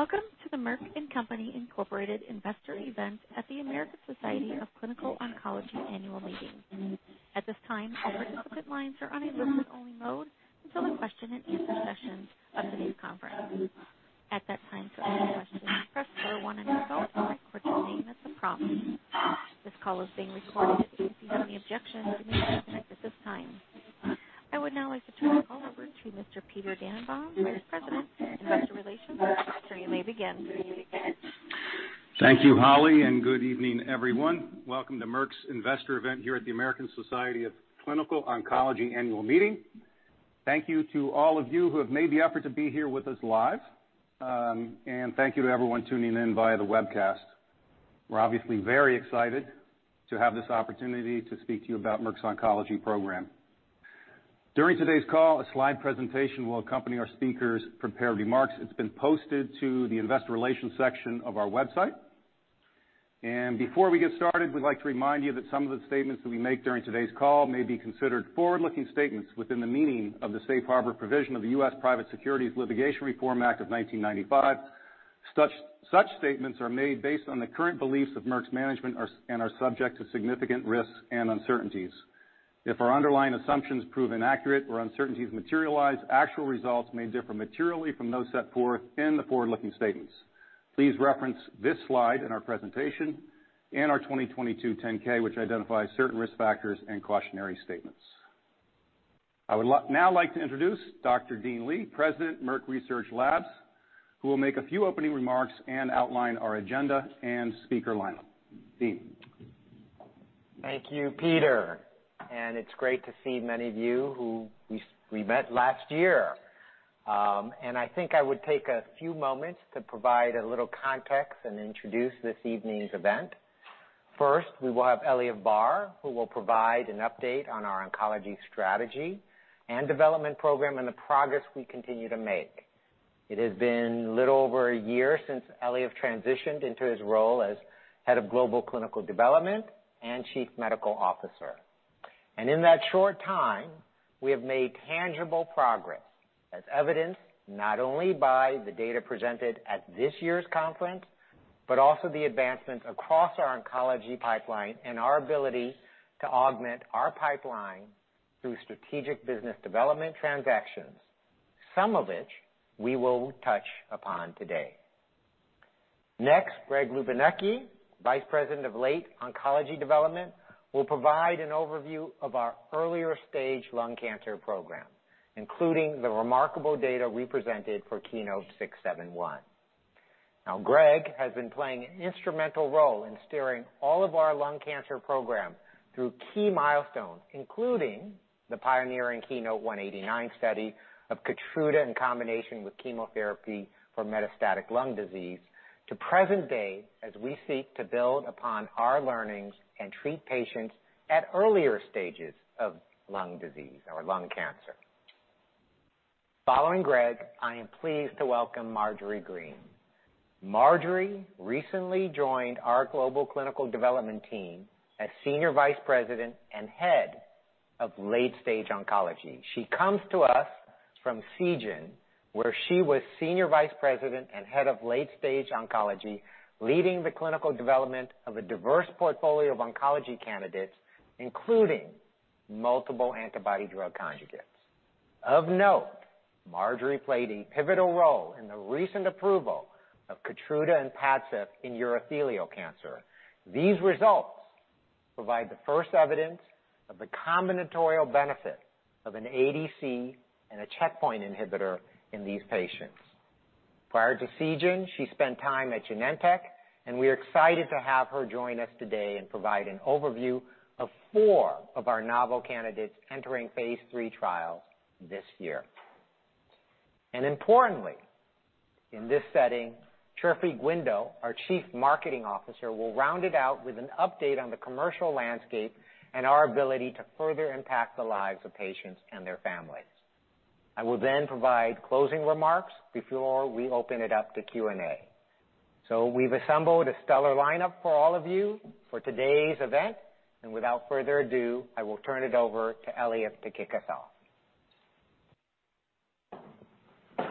Welcome to the Merck & Co., Inc. Investor Event at the American Society of Clinical Oncology Annual Meeting. At this time, all participant lines are on a listen-only mode until the question-and-answer session of today's conference. At that time, to ask a question, press star one on your phone and record your name as it's prompted. This call is being recorded. If you have any objections, you may disconnect at this time. I would now like to turn the call over to Mr. Peter Dannenbaum, Vice President, Investor Relations. Sir, you may begin. Thank you, Holly. Good evening, everyone. Welcome to Merck's Investor Event here at the American Society of Clinical Oncology Annual Meeting. Thank you to all of you who have made the effort to be here with us live, and thank you to everyone tuning in via the webcast. We're obviously very excited to have this opportunity to speak to you about Merck's oncology program. During today's call, a slide presentation will accompany our speakers' prepared remarks. It's been posted to the investor relations section of our website. Before we get started, we'd like to remind you that some of the statements that we make during today's call may be considered forward-looking statements within the meaning of the Safe Harbor provision of the U.S. Private Securities Litigation Reform Act of 1995. Such statements are made based on the current beliefs of Merck's management and are subject to significant risks and uncertainties. If our underlying assumptions prove inaccurate or uncertainties materialize, actual results may differ materially from those set forth in the forward-looking statements. Please reference this slide in our presentation and our 2022 10-K, which identifies certain risk factors and cautionary statements. I would now like to introduce Dr. Dean Li, President, Merck Research Laboratories, who will make a few opening remarks and outline our agenda and speaker lineup. Dean? Thank you, Peter. It's great to see many of you who we met last year. I think I would take a few moments to provide a little context and introduce this evening's event. First, we will have Eliav Barr, who will provide an update on our oncology strategy and development program and the progress we continue to make. It has been little over a year since Eliav transitioned into his role as Head of Global Clinical Development and Chief Medical Officer. In that short time, we have made tangible progress, as evidenced not only by the data presented at this year's conference, but also the advancements across our oncology pipeline and our ability to augment our pipeline through strategic business development transactions, some of which we will touch upon today. Next, Greg Lubiniecki, Vice President of Late Oncology Development, will provide an overview of our earlier stage lung cancer program, including the remarkable data we presented for KEYNOTE-671. Now, Greg has been playing an instrumental role in steering all of our lung cancer program through key milestones, including the pioneering KEYNOTE-189 study of KEYTRUDA in combination with chemotherapy for metastatic lung disease to present day, as we seek to build upon our learnings and treat patients at earlier stages of lung disease or lung cancer. Following Greg, I am pleased to welcome Marjorie Green. Marjorie recently joined our global clinical development team as Senior Vice President and Head of Late Stage Oncology. She comes to us from Seagen, where she was Senior Vice President and Head of Late Stage Oncology, leading the clinical development of a diverse portfolio of oncology candidates, including multiple antibody drug conjugates. Of note, Marjorie played a pivotal role in the recent approval of KEYTRUDA and PADCEV in urothelial cancer. These results provide the first evidence of the combinatorial benefit of an ADC and a checkpoint inhibitor in these patients. Prior to Seagen, she spent time at Genentech, and we are excited to have her join us today and provide an overview of four of our novel candidates entering phase III trials this year. Importantly, in this setting, Chirfi Guindo, our Chief Marketing Officer, will round it out with an update on the commercial landscape and our ability to further impact the lives of patients and their families. I will then provide closing remarks before we open it up to Q&A. We've assembled a stellar lineup for all of you for today's event, and without further ado, I will turn it over to Eliav to kick us off.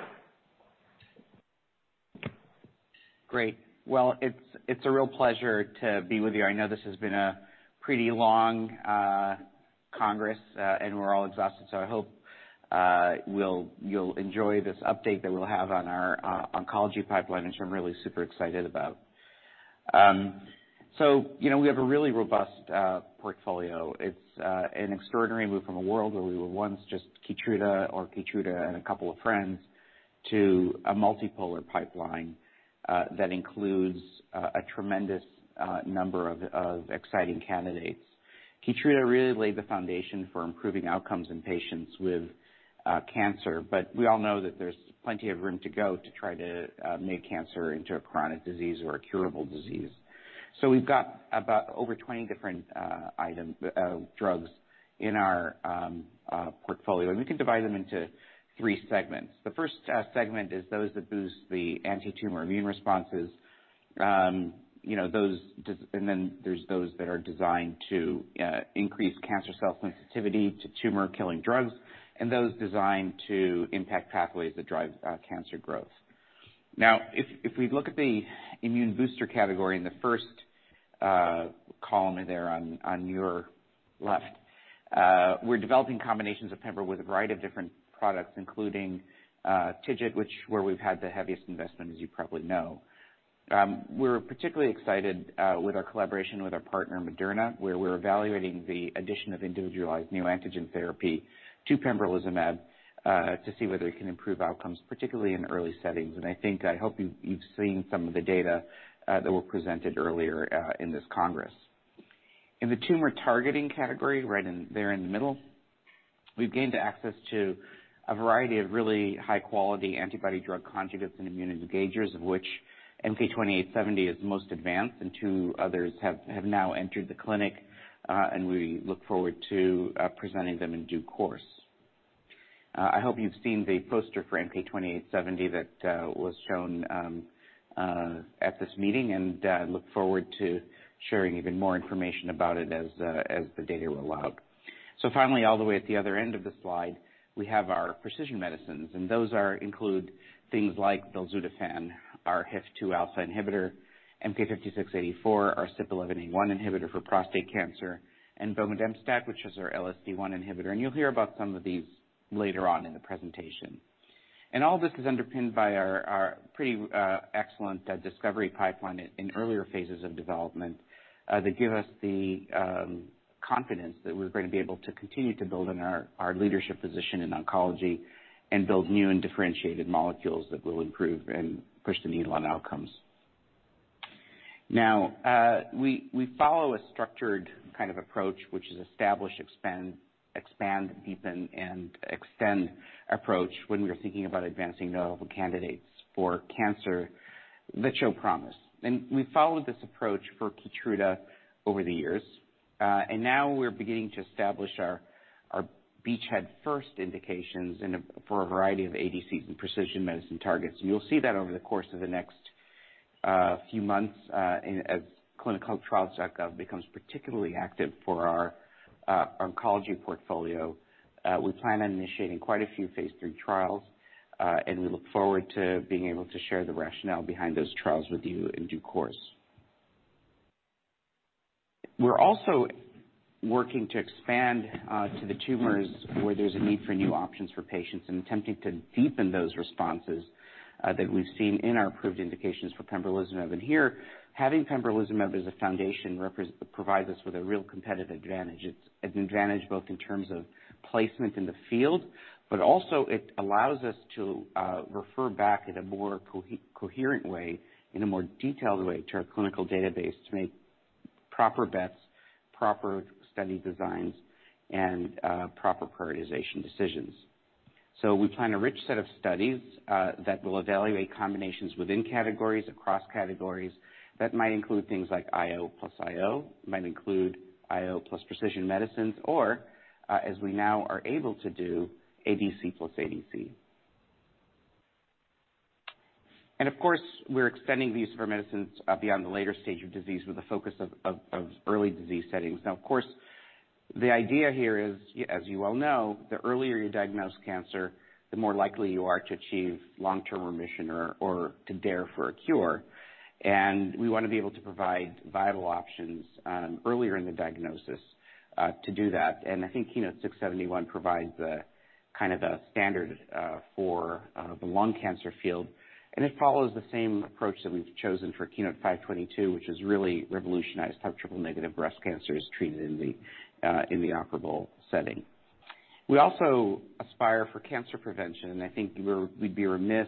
Great. Well, it's a real pleasure to be with you. I know this has been a pretty long congress, and we're all exhausted, so I hope you'll enjoy this update that we'll have on our oncology pipeline, which I'm really super excited about. You know, we have a really robust portfolio. It's an extraordinary move from a world where we were once just KEYTRUDA or KEYTRUDA and a couple of friends to a multipolar pipeline that includes a tremendous number of exciting candidates. KEYTRUDA really laid the foundation for improving outcomes in patients with cancer, but we all know that there's plenty of room to go to try to make cancer into a chronic disease or a curable disease.... We've got about over 20 different item drugs in our portfolio. We can divide them into 3 segments. The 1st segment is those that boost the antitumor immune responses. You know, there's those that are designed to increase cancer cell sensitivity to tumor killing drugs, and those designed to impact pathways that drive cancer growth. If we look at the immune booster category in the 1st column there on your left, we're developing combinations of pembro with a variety of different products, including TIGIT, which where we've had the heaviest investment, as you probably know. We're particularly excited with our collaboration with our partner, Moderna, where we're evaluating the addition of individualized neoantigen therapy to pembrolizumab to see whether it can improve outcomes, particularly in early settings. I think, I hope you've seen some of the data that were presented earlier in this congress. In the tumor targeting category, right in there in the middle, we've gained access to a variety of really high quality antibody drug conjugates and immune engagers, of which MK-2870 is most advanced, and two others have now entered the clinic, and we look forward to presenting them in due course. I hope you've seen the poster for MK-2870 that was shown at this meeting, and look forward to sharing even more information about it as the data allow. Finally, all the way at the other end of the slide, we have our precision medicines, those are include things like belzutifan, our HIF-2α inhibitor, MK-5684, our CYP11A1 inhibitor for prostate cancer, and bomedemstat, which is our LSD1 inhibitor. You'll hear about some of these later on in the presentation. All this is underpinned by our pretty excellent discovery pipeline in earlier phases of development that give us the confidence that we're going to be able to continue to build on our leadership position in oncology and build new and differentiated molecules that will improve and push the needle on outcomes. Now, we follow a structured kind of approach, which is establish, expand, deepen, and extend approach when we are thinking about advancing novel candidates for cancer that show promise. We followed this approach for KEYTRUDA over the years. Now we're beginning to establish our beachhead first indications for a variety of ADCs and precision medicine targets. You'll see that over the course of the next few months, as ClinicalTrials.gov becomes particularly active for our oncology portfolio. We plan on initiating quite a few phase III trials, we look forward to being able to share the rationale behind those trials with you in due course. We're also working to expand to the tumors where there's a need for new options for patients and attempting to deepen those responses that we've seen in our approved indications for pembrolizumab. Here, having pembrolizumab as a foundation provides us with a real competitive advantage. It's an advantage both in terms of placement in the field, but also it allows us to refer back in a more coherent way, in a more detailed way, to our clinical database to make proper bets, proper study designs, and proper prioritization decisions. We plan a rich set of studies that will evaluate combinations within categories, across categories, that might include things like IO plus IO, might include IO plus precision medicines, or as we now are able to do, ADC plus ADC. Of course, we're extending the use of our medicines beyond the later stage of disease with a focus of early disease settings. Of course, the idea here is, as you well know, the earlier you diagnose cancer, the more likely you are to achieve long-term remission or to dare for a cure. We want to be able to provide viable options earlier in the diagnosis to do that. I think KEYNOTE-671 provides the kind of the standard for the lung cancer field. It follows the same approach that we've chosen for KEYNOTE-522, which has really revolutionized how triple-negative breast cancer is treated in the operable setting. We also aspire for cancer prevention, and I think we'd be remiss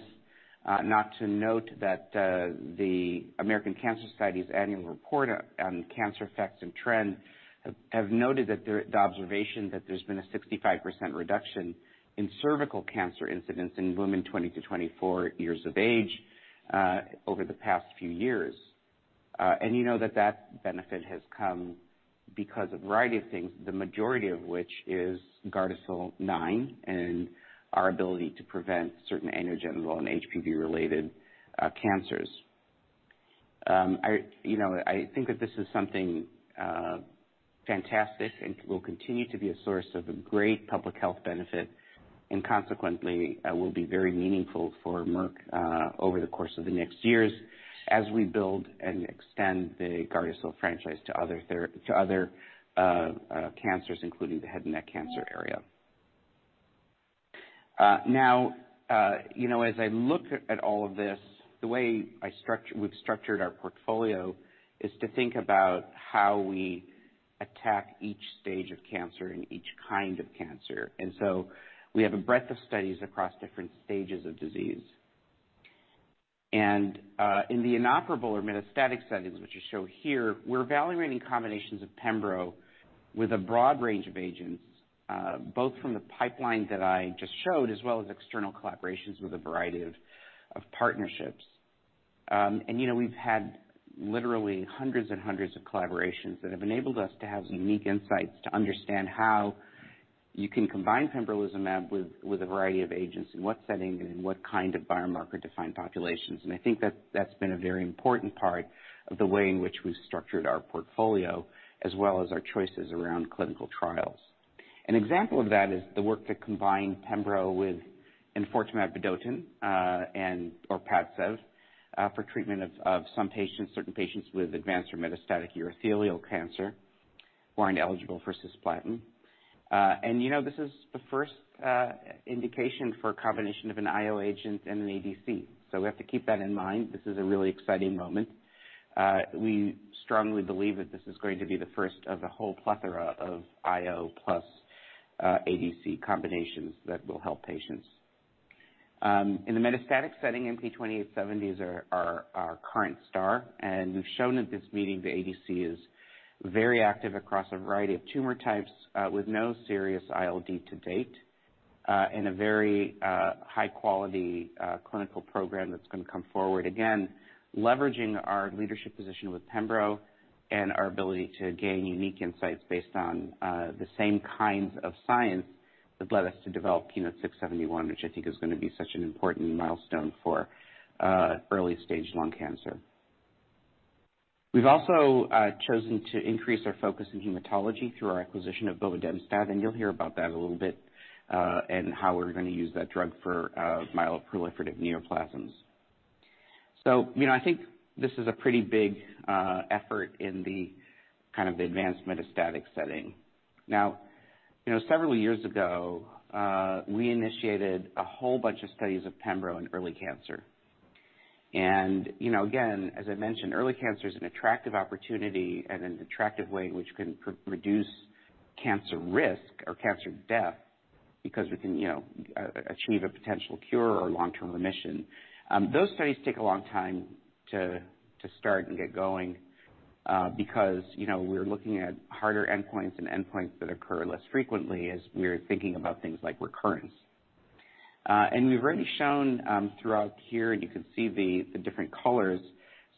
not to note that the American Cancer Society's annual report on cancer facts and trends have noted that there, the observation that there's been a 65% reduction in cervical cancer incidents in women 20 to 24 years of age over the past few years. You know that benefit has come because of a variety of things, the majority of which is GARDASIL 9, and our ability to prevent certain anogenital and HPV-related cancers. I, you know, I think that this is something fantastic and will continue to be a source of great public health benefit and consequently, will be very meaningful for Merck over the course of the next years as we build and extend the GARDASIL franchise to other cancers, including the head and neck cancer area. Now, you know, as I look at all of this, the way I structure — we've structured our portfolio is to think about how we attack each stage of cancer and each kind of cancer. We have a breadth of studies across different stages of disease. In the inoperable or metastatic settings, which I show here, we're evaluating combinations of pembro with a broad range of agents, both from the pipeline that I just showed, as well as external collaborations with a variety of partnerships. You know, we've had literally hundreds of collaborations that have enabled us to have unique insights to understand how you can combine pembrolizumab with a variety of agents, in what setting, and in what kind of biomarker-defined populations. I think that's been a very important part of the way in which we've structured our portfolio, as well as our choices around clinical trials. An example of that is the work that combined pembro with enfortumab vedotin, and or PADCEV, for treatment of some patients, certain patients with advanced or metastatic urothelial cancer who aren't eligible for cisplatin. You know, this is the first indication for a combination of an IO agent and an ADC, we have to keep that in mind. This is a really exciting moment. We strongly believe that this is going to be the first of a whole plethora of IO plus ADC combinations that will help patients. In the metastatic setting, MK-2870 is our current star, and we've shown at this meeting the ADC is very active across a variety of tumor types, with no serious ILD to date, and a very high quality clinical program that's gonna come forward. Again, leveraging our leadership position with pembro and our ability to gain unique insights based on the same kinds of science that led us to develop KEYNOTE-671, which I think is gonna be such an important milestone for early stage lung cancer. We've also chosen to increase our focus in hematology through our acquisition of bomedemstat, and you'll hear about that a little bit and how we're gonna use that drug for myeloproliferative neoplasms. You know, I think this is a pretty big effort in the kind of advanced metastatic setting. Now, you know, several years ago, we initiated a whole bunch of studies of pembro in early cancer. You know, again, as I mentioned, early cancer is an attractive opportunity and an attractive way in which we can re-reduce cancer risk or cancer death, because we can, you know, achieve a potential cure or long-term remission. Those studies take a long time to start and get going, because, you know, we're looking at harder endpoints and endpoints that occur less frequently as we're thinking about things like recurrence. We've already shown throughout here, and you can see the different colors,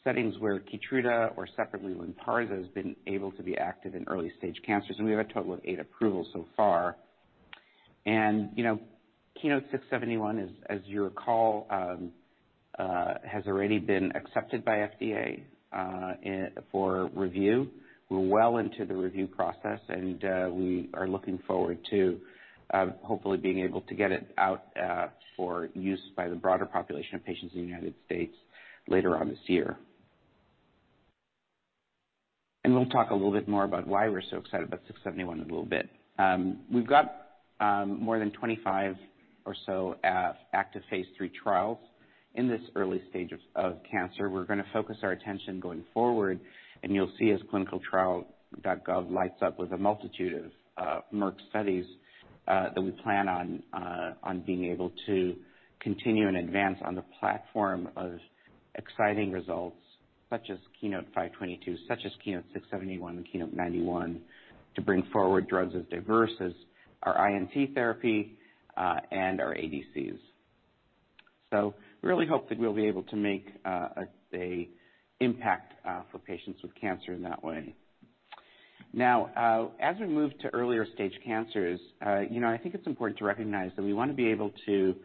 settings where KEYTRUDA or separately LYNPARZA has been able to be active in early stage cancers, and we have a total of 8 approvals so far. You know, KEYNOTE-671, as you recall, has already been accepted by FDA for review. We're well into the review process, and we are looking forward to hopefully being able to get it out for use by the broader population of patients in the United States later on this year. We'll talk a little bit more about why we're so excited about KEYNOTE-671 a little bit. We've got more than 25 or so active phase III trials in this early stage of cancer. We're gonna focus our attention going forward, and you'll see as ClinicalTrials.gov lights up with a multitude of Merck studies that we plan on being able to continue and advance on the platform of exciting results, such as KEYNOTE-522, such as KEYNOTE-671, and KEYNOTE-091, to bring forward drugs as diverse as our INT therapy and our ADCs. We really hope that we'll be able to make an impact for patients with cancer in that way. Now, as we move to earlier stage cancers, you know, I think it's important to recognize that we want to be able to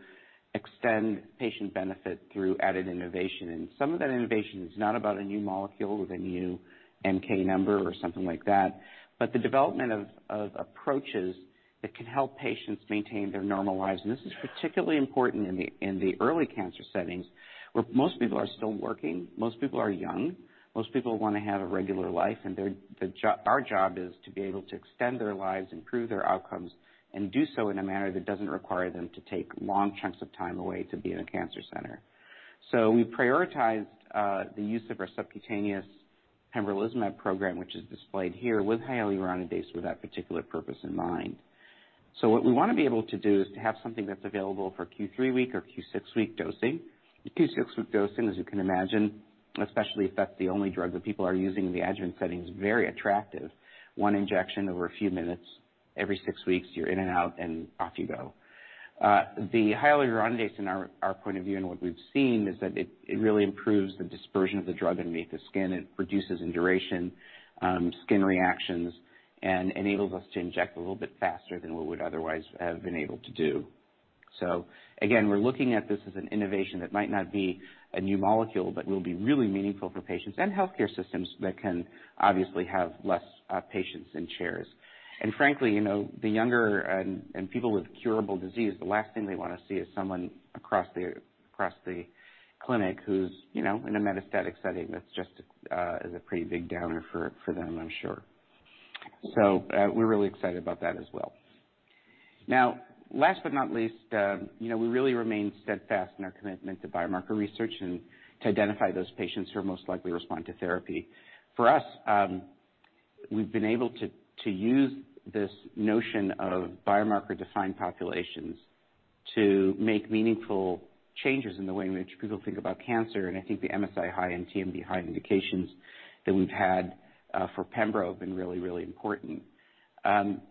extend patient benefit through added innovation. Some of that innovation is not about a new molecule with a new MK number or something like that, but the development of approaches that can help patients maintain their normal lives. This is particularly important in the early cancer settings, where most people are still working, most people are young, most people want to have a regular life, and their, our job is to be able to extend their lives, improve their outcomes, and do so in a manner that doesn't require them to take long chunks of time away to be in a cancer center. We prioritized the use of our subcutaneous pembrolizumab program, which is displayed here, with hyaluronidase, with that particular purpose in mind. What we wanna be able to do is to have something that's available for Q3 week or Q6 week dosing. The Q6 week dosing, as you can imagine, especially if that's the only drug that people are using in the adjuvant setting, is very attractive. One injection over a few minutes. Every 6 weeks, you're in and out, and off you go. The hyaluronidase in our point of view and what we've seen is that it really improves the dispersion of the drug underneath the skin. It reduces induration, skin reactions, and enables us to inject a little bit faster than we would otherwise have been able to do. Again, we're looking at this as an innovation that might not be a new molecule, but will be really meaningful for patients and healthcare systems that can obviously have less patients in chairs. Frankly, you know, the younger and people with curable disease, the last thing they want to see is someone across the, across the clinic who's, you know, in a metastatic setting. That's just is a pretty big downer for them, I'm sure. We're really excited about that as well. Now, last but not least, you know, we really remain steadfast in our commitment to biomarker research and to identify those patients who are most likely to respond to therapy. For us, we've been able to use this notion of biomarker-defined populations to make meaningful changes in the way in which people think about cancer. I think the MSI-H and TMB-H indications that we've had for pembro have been really, really important.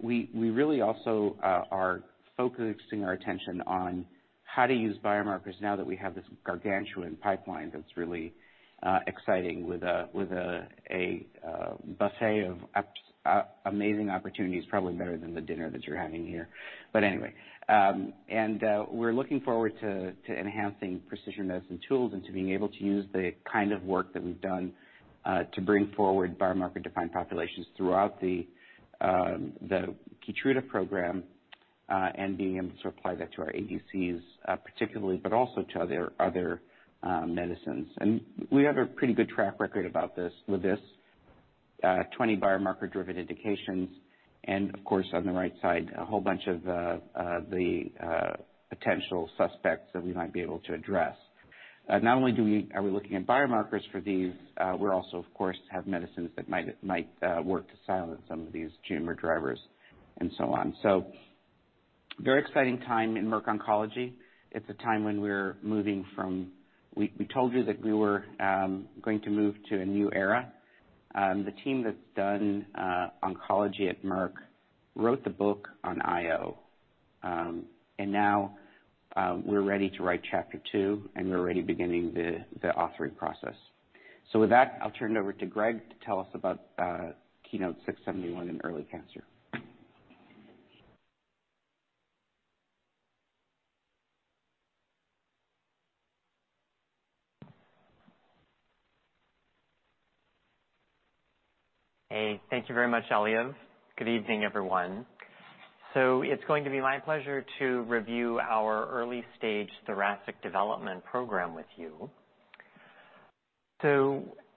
We really also are focusing our attention on how to use biomarkers now that we have this gargantuan pipeline that's really exciting with a buffet of apps, amazing opportunities, probably better than the dinner that you're having here. Anyway, and we're looking forward to enhancing precision medicine tools and to being able to use the kind of work that we've done to bring forward biomarker-defined populations throughout the KEYTRUDA program, and being able to apply that to our ADCs, particularly, but also to other medicines. We have a pretty good track record about this, with 20 biomarker-driven indications, and of course, on the right side, a whole bunch of the potential suspects that we might be able to address. Not only are we looking at biomarkers for these, we're also, of course, have medicines that might work to silence some of these tumor drivers and so on. Very exciting time in Merck Oncology. It's a time when we told you that we were going to move to a new era. The team that's done oncology at Merck wrote the book on IO. Now, we're ready to write chapter two, and we're already beginning the authoring process. With that, I'll turn it over to Greg to tell us about KEYNOTE-671 in early cancer. Hey, thank you very much, Eliav. Good evening, everyone. It's going to be my pleasure to review our early-stage thoracic development program with you.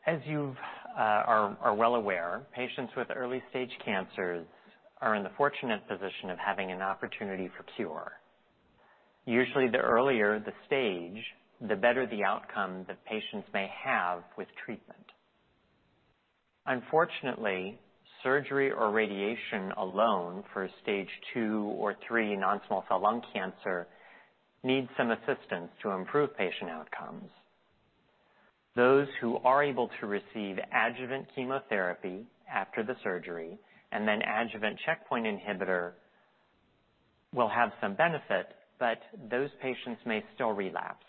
As you've are well aware, patients with early-stage cancers are in the fortunate position of having an opportunity for cure. Usually, the earlier the stage, the better the outcome the patients may have with treatment. Unfortunately, surgery or radiation alone for stage two or three non-small cell lung cancer needs some assistance to improve patient outcomes. Those who are able to receive adjuvant chemotherapy after the surgery, and then adjuvant checkpoint inhibitor will have some benefit, but those patients may still relapse.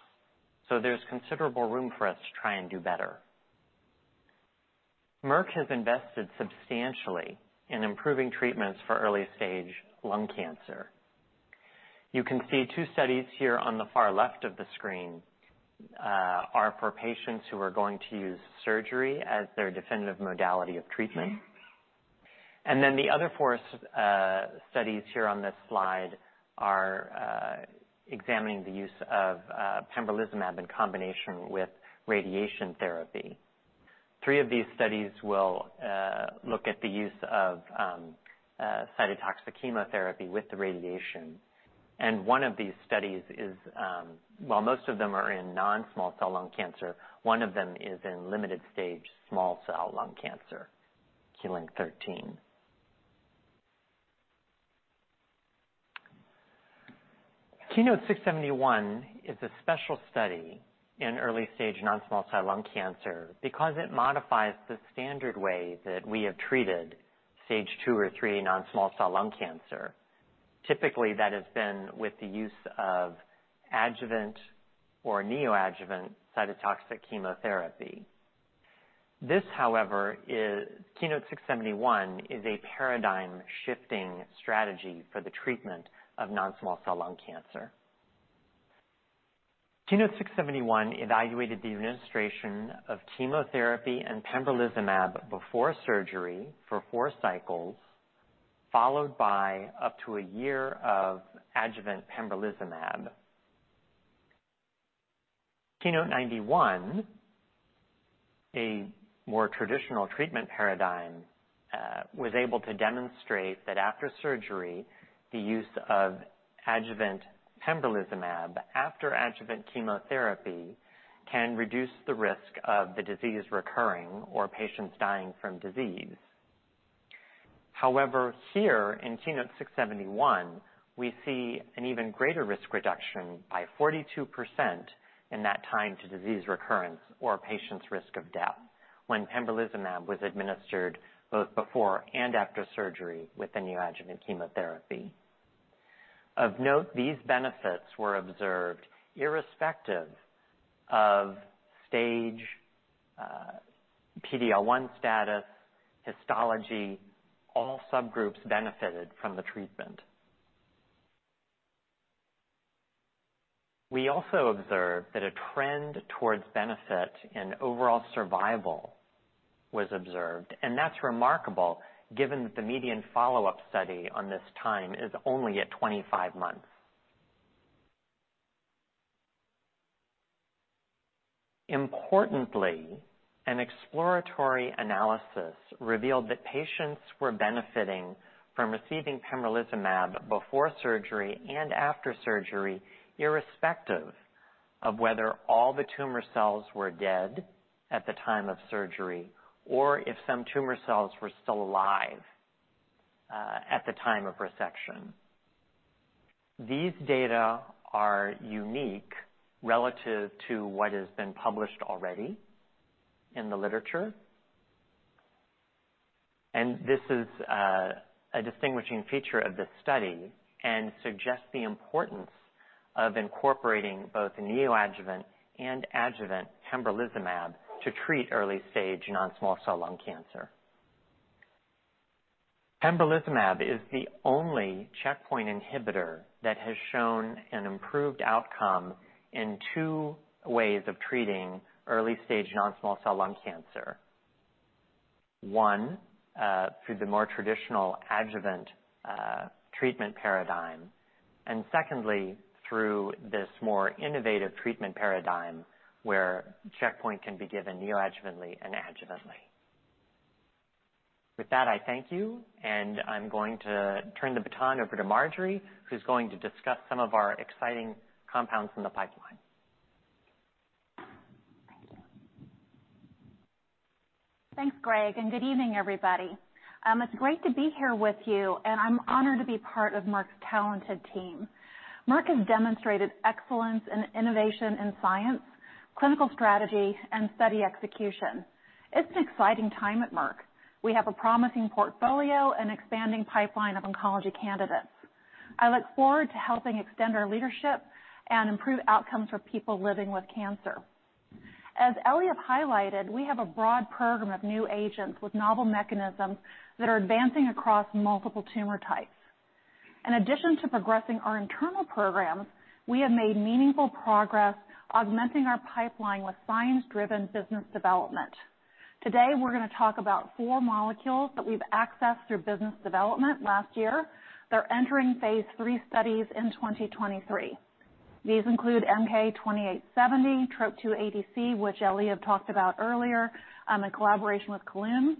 There's considerable room for us to try and do better. Merck has invested substantially in improving treatments for early-stage lung cancer. You can see 2 studies here on the far left of the screen, are for patients who are going to use surgery as their definitive modality of treatment. The other 4 studies here on this slide are examining the use of pembrolizumab in combination with radiation therapy. 3 of these studies will look at the use of cytotoxic chemotherapy with the radiation. 1 of these studies is... While most of them are in non-small cell lung cancer, 1 of them is in limited stage small cell lung cancer, KEYLYNK-013. KEYNOTE-671 is a special study in early-stage non-small cell lung cancer because it modifies the standard way that we have treated stage 2 or 3 non-small cell lung cancer. Typically, that has been with the use of adjuvant or neoadjuvant cytotoxic chemotherapy. This, however, is KEYNOTE-671 is a paradigm-shifting strategy for the treatment of non-small cell lung cancer. KEYNOTE-671 evaluated the administration of chemotherapy and pembrolizumab before surgery for 4 cycles, followed by up to a year of adjuvant pembrolizumab. KEYNOTE-091, a more traditional treatment paradigm, was able to demonstrate that after surgery, the use of adjuvant pembrolizumab after adjuvant chemotherapy can reduce the risk of the disease recurring or patients dying from disease. However, here in KEYNOTE-671, we see an even greater risk reduction by 42% in that time to disease recurrence or patient's risk of death when pembrolizumab was administered both before and after surgery with the neoadjuvant chemotherapy. Of note, these benefits were observed irrespective of stage, PD-L1 status, histology, all subgroups benefited from the treatment. We also observed that a trend towards benefit in overall survival was observed. That's remarkable given that the median follow-up study on this time is only at 25 months. Importantly, an exploratory analysis revealed that patients were benefiting from receiving pembrolizumab before surgery and after surgery, irrespective of whether all the tumor cells were dead at the time of surgery or if some tumor cells were still alive at the time of resection. These data are unique relative to what has been published already in the literature. This is a distinguishing feature of this study and suggests the importance of incorporating both neoadjuvant and adjuvant pembrolizumab to treat early-stage non-small cell lung cancer. Pembrolizumab is the only checkpoint inhibitor that has shown an improved outcome in 2 ways of treating early-stage non-small cell lung cancer. One, through the more traditional adjuvant treatment paradigm, and secondly, through this more innovative treatment paradigm, where checkpoint can be given neoadjuvantly and adjuvantly. With that, I thank you, and I'm going to turn the baton over to Marjorie, who's going to discuss some of our exciting compounds in the pipeline. Thank you. Thanks, Greg, and good evening, everybody. It's great to be here with you, and I'm honored to be part of Merck's talented team. Merck has demonstrated excellence in innovation in science, clinical strategy, and study execution. It's an exciting time at Merck. We have a promising portfolio and expanding pipeline of oncology candidates. I look forward to helping extend our leadership and improve outcomes for people living with cancer. As Eliav highlighted, we have a broad program of new agents with novel mechanisms that are advancing across multiple tumor types. In addition to progressing our internal programs, we have made meaningful progress augmenting our pipeline with science-driven business development. Today, we're going to talk about four molecules that we've accessed through business development last year. They're entering phase III studies in 2023. These include MK-2870, Trop2 ADC, which Eliav talked about earlier, in collaboration with Kelun,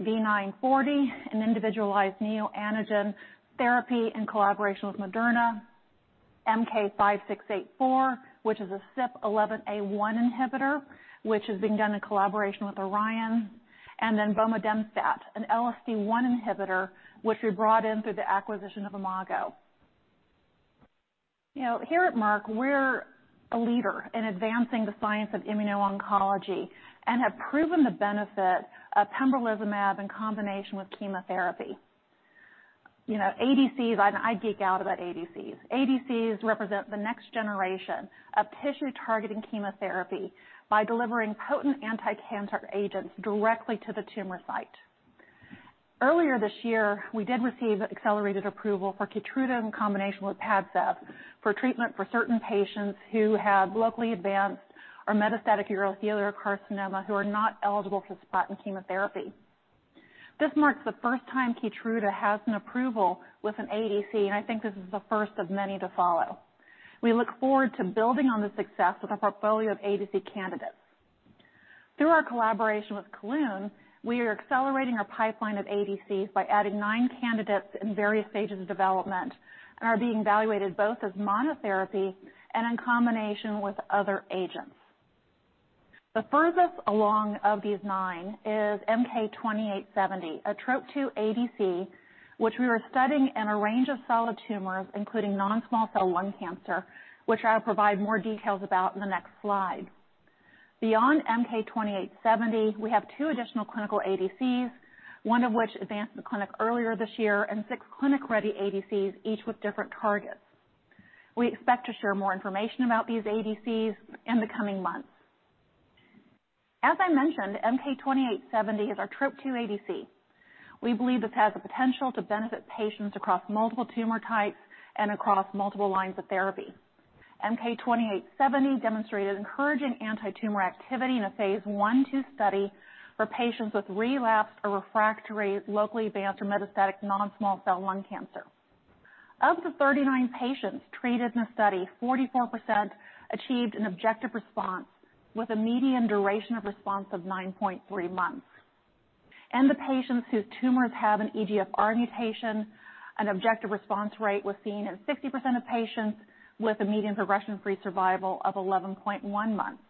V940, an individualized neoantigen therapy in collaboration with Moderna, MK-5684, which is a CYP11A1 inhibitor, which is being done in collaboration with Orion, and bomedemstat, an LSD1 inhibitor, which we brought in through the acquisition of Imago. You know, here at Merck, we're a leader in advancing the science of immuno-oncology and have proven the benefit of pembrolizumab in combination with chemotherapy. You know, ADCs, I geek out about ADCs. ADCs represent the next generation of tissue-targeting chemotherapy by delivering potent anticancer agents directly to the tumor site. Earlier this year, we did receive accelerated approval for KEYTRUDA in combination with PADCEV, for treatment for certain patients who have locally advanced or metastatic urothelial carcinoma, who are not eligible for cisplatin chemotherapy. This marks the first time KEYTRUDA has an approval with an ADC, and I think this is the first of many to follow. We look forward to building on this success with a portfolio of ADC candidates. Through our collaboration with Kelun, we are accelerating our pipeline of ADCs by adding nine candidates in various stages of development, and are being evaluated both as monotherapy and in combination with other agents. The furthest along of these nine is MK-2870, a TROP2 ADC, which we are studying in a range of solid tumors, including non-small cell lung cancer, which I'll provide more details about in the next slide. Beyond MK-2870, we have two additional clinical ADCs, one of which advanced to the clinic earlier this year, and six clinic-ready ADCs, each with different targets. We expect to share more information about these ADCs in the coming months. As I mentioned, MK-2870 is our Trop2 ADC. We believe this has the potential to benefit patients across multiple tumor types and across multiple lines of therapy. MK-2870 demonstrated encouraging antitumor activity in a phase I/2 study for patients with relapsed or refractory locally advanced or metastatic non-small cell lung cancer. Of the 39 patients treated in the study, 44% achieved an objective response, with a median duration of response of 9.3 months. In the patients whose tumors have an EGFR mutation, an objective response rate was seen in 60% of patients with a median progression-free survival of 11.1 months.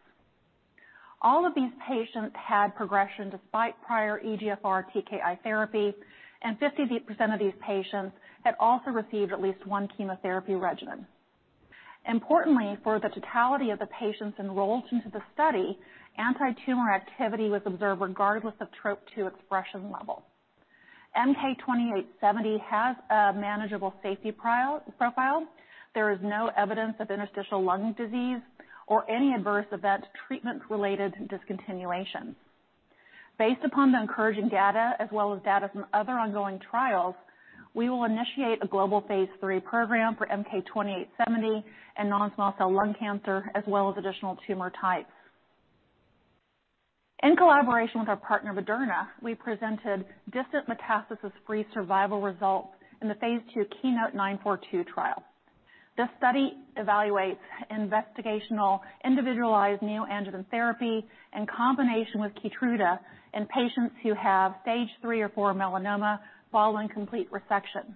All of these patients had progression despite prior EGFR TKI therapy, and 50% of these patients had also received at least one chemotherapy regimen. Importantly, for the totality of the patients enrolled into the study, antitumor activity was observed regardless of TROP2 expression level. MK-2870 has a manageable safety profile. There is no evidence of interstitial lung disease or any adverse event treatment-related discontinuation. Based upon the encouraging data, as well as data from other ongoing trials, we will initiate a global phase III program for MK-2870 in non-small cell lung cancer, as well as additional tumor types. In collaboration with our partner, Moderna, we presented distant metastasis-free survival results in the phase II KEYNOTE-942 trial. This study evaluates investigational individualized neoantigen therapy in combination with KEYTRUDA in patients who have stage 3 or 4 melanoma following complete resection.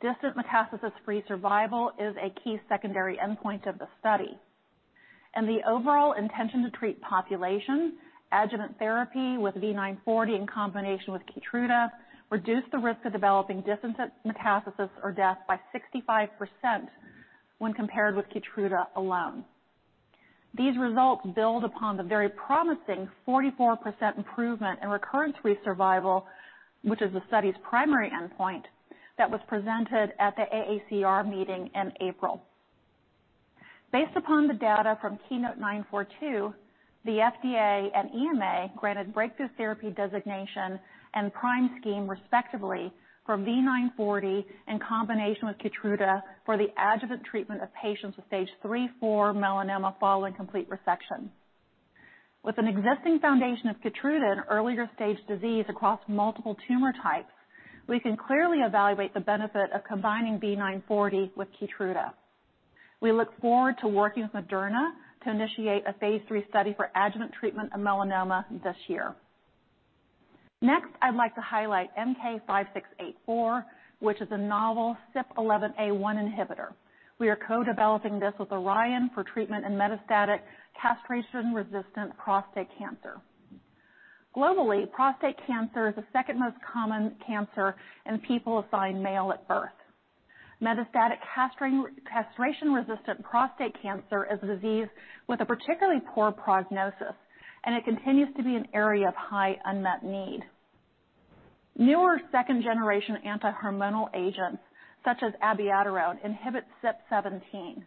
Distant metastasis-free survival is a key secondary endpoint of the study. The overall intention to treat population, adjuvant therapy with V940 in combination with KEYTRUDA, reduced the risk of developing distant metastasis or death by 65% when compared with KEYTRUDA alone. These results build upon the very promising 44% improvement in recurrence-free survival, which is the study's primary endpoint, that was presented at the AACR meeting in April. Based upon the data from KEYNOTE-942, the FDA and EMA granted breakthrough therapy designation and PRIME scheme, respectively, for V940 in combination with KEYTRUDA for the adjuvant treatment of patients with stage III, IV melanoma following complete resection. With an existing foundation of KEYTRUDA in earlier stage disease across multiple tumor types, we can clearly evaluate the benefit of combining V940 with KEYTRUDA. We look forward to working with Moderna to initiate a phase III study for adjuvant treatment of melanoma this year. Next, I'd like to highlight MK-5684, which is a novel CYP11A1 inhibitor. We are co-developing this with Orion for treatment in metastatic castration-resistant prostate cancer. Globally, prostate cancer is the second most common cancer in people assigned male at birth. Metastatic castration-resistant prostate cancer is a disease with a particularly poor prognosis. It continues to be an area of high unmet need. Newer second-generation anti-hormonal agents, such as abiraterone, inhibit CYP17.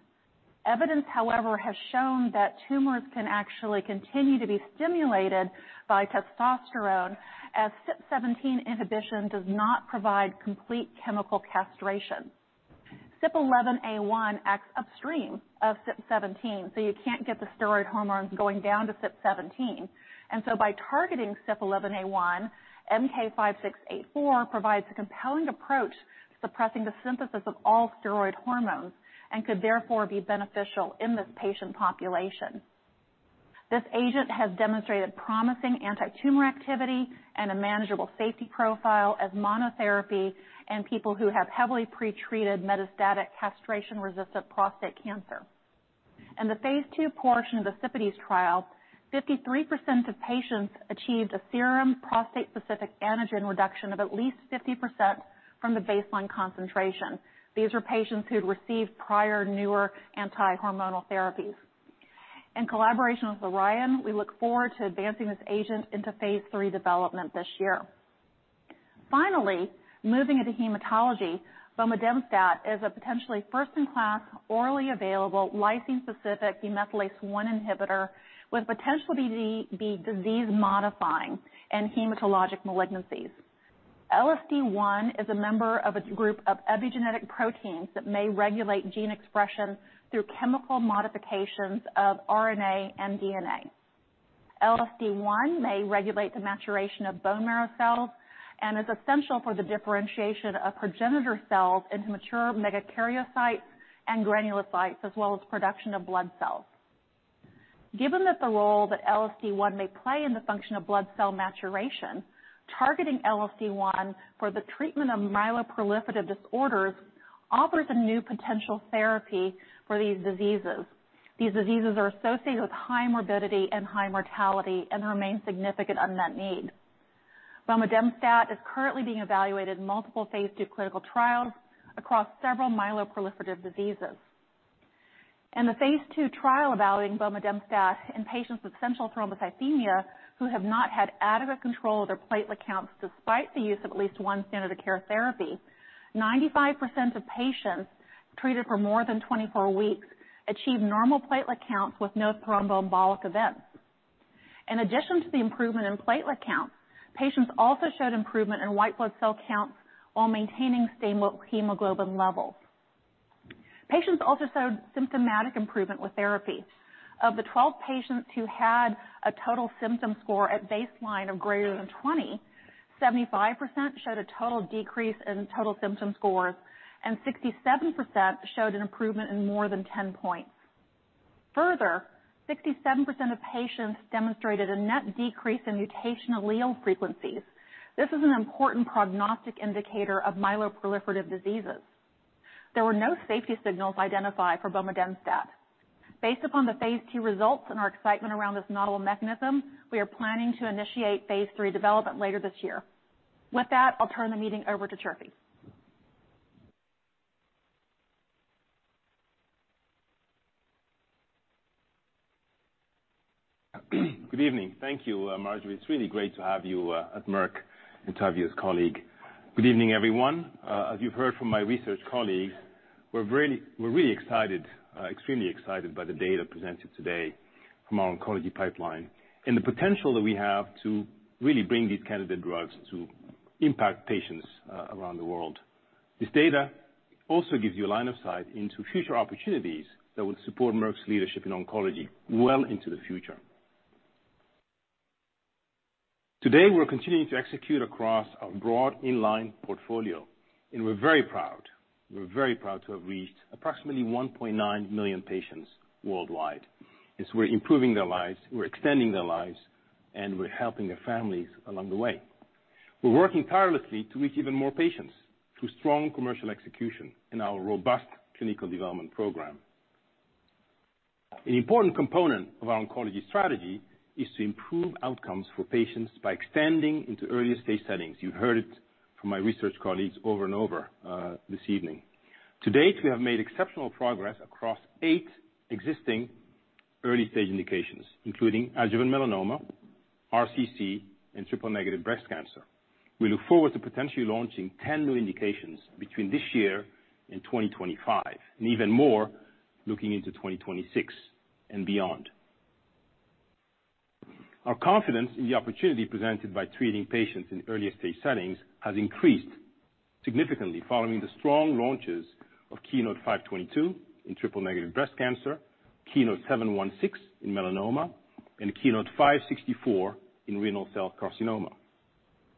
Evidence, however, has shown that tumors can actually continue to be stimulated by testosterone, as CYP17 inhibition does not provide complete chemical castration. CYP11A1 acts upstream of CYP17. You can't get the steroid hormones going down to CYP17. By targeting CYP11A1, MK-5684 provides a compelling approach to suppressing the synthesis of all steroid hormones and could therefore be beneficial in this patient population. This agent has demonstrated promising antitumor activity and a manageable safety profile as monotherapy in people who have heavily pretreated metastatic castration-resistant prostate cancer. In the phase II portion of the CYPIDES trial, 53% of patients achieved a serum prostate-specific antigen reduction of at least 50% from the baseline concentration. These are patients who'd received prior newer anti-hormonal therapies. In collaboration with Orion, we look forward to advancing this agent into phase III development this year. Moving into hematology, bomedemstat is a potentially first-in-class, orally available, lysine specific demethylase 1 inhibitor, with potential to be disease-modifying in hematologic malignancies. LSD-one is a member of a group of epigenetic proteins that may regulate gene expression through chemical modifications of RNA and DNA. LSD-one may regulate the maturation of bone marrow cells and is essential for the differentiation of progenitor cells into mature megakaryocytes and granulocytes, as well as production of blood cells. Given that the role that LSD-one may play in the function of blood cell maturation, targeting LSD-one for the treatment of myeloproliferative disorders offers a new potential therapy for these diseases. These diseases are associated with high morbidity and high mortality and remain significant unmet need. bomedemstat is currently being evaluated in multiple phase II clinical trials across several myeloproliferative diseases. In the phase II trial evaluating bomedemstat in patients with essential thrombocythemia who have not had adequate control of their platelet counts despite the use of at least one standard of care therapy, 95% of patients treated for more than 24 weeks achieved normal platelet counts with no thromboembolic events. In addition to the improvement in platelet counts, patients also showed improvement in white blood cell counts while maintaining stable hemoglobin levels. Patients also showed symptomatic improvement with therapy. Of the 12 patients who had a total symptom score at baseline of greater than 20, 75% showed a total decrease in total symptom scores, and 67% showed an improvement in more than 10 points. Further, 67% of patients demonstrated a net decrease in mutational allele frequencies. This is an important prognostic indicator of myeloproliferative diseases. There were no safety signals identified for bomedemstat. Based upon the phase II results and our excitement around this novel mechanism, we are planning to initiate phase III development later this year. With that, I'll turn the meeting over to Chirfi. Good evening. Thank you, Marjorie. It's really great to have you at Merck and to have you as colleague. Good evening, everyone. As you've heard from my research colleagues, we're really excited, extremely excited by the data presented today from our oncology pipeline and the potential that we have to really bring these candidate drugs to impact patients around the world. This data also gives you a line of sight into future opportunities that will support Merck's leadership in oncology well into the future. Today, we're continuing to execute across our broad in line portfolio. We're very proud to have reached approximately $1.9 million patients worldwide, as we're improving their lives, we're extending their lives, and we're helping their families along the way. We're working tirelessly to reach even more patients through strong commercial execution and our robust clinical development program. An important component of our oncology strategy is to improve outcomes for patients by extending into earlier stage settings. You heard it from my research colleagues over and over this evening. To date, we have made exceptional progress across 8 existing early-stage indications, including adjuvant melanoma, RCC, and triple-negative breast cancer. We look forward to potentially launching 10 new indications between this year and 2025, and even more, looking into 2026 and beyond. Our confidence in the opportunity presented by treating patients in earlier stage settings has increased significantly following the strong launches of KEYNOTE-522 in triple-negative breast cancer, KEYNOTE-716 in melanoma, and KEYNOTE-564 in renal cell carcinoma.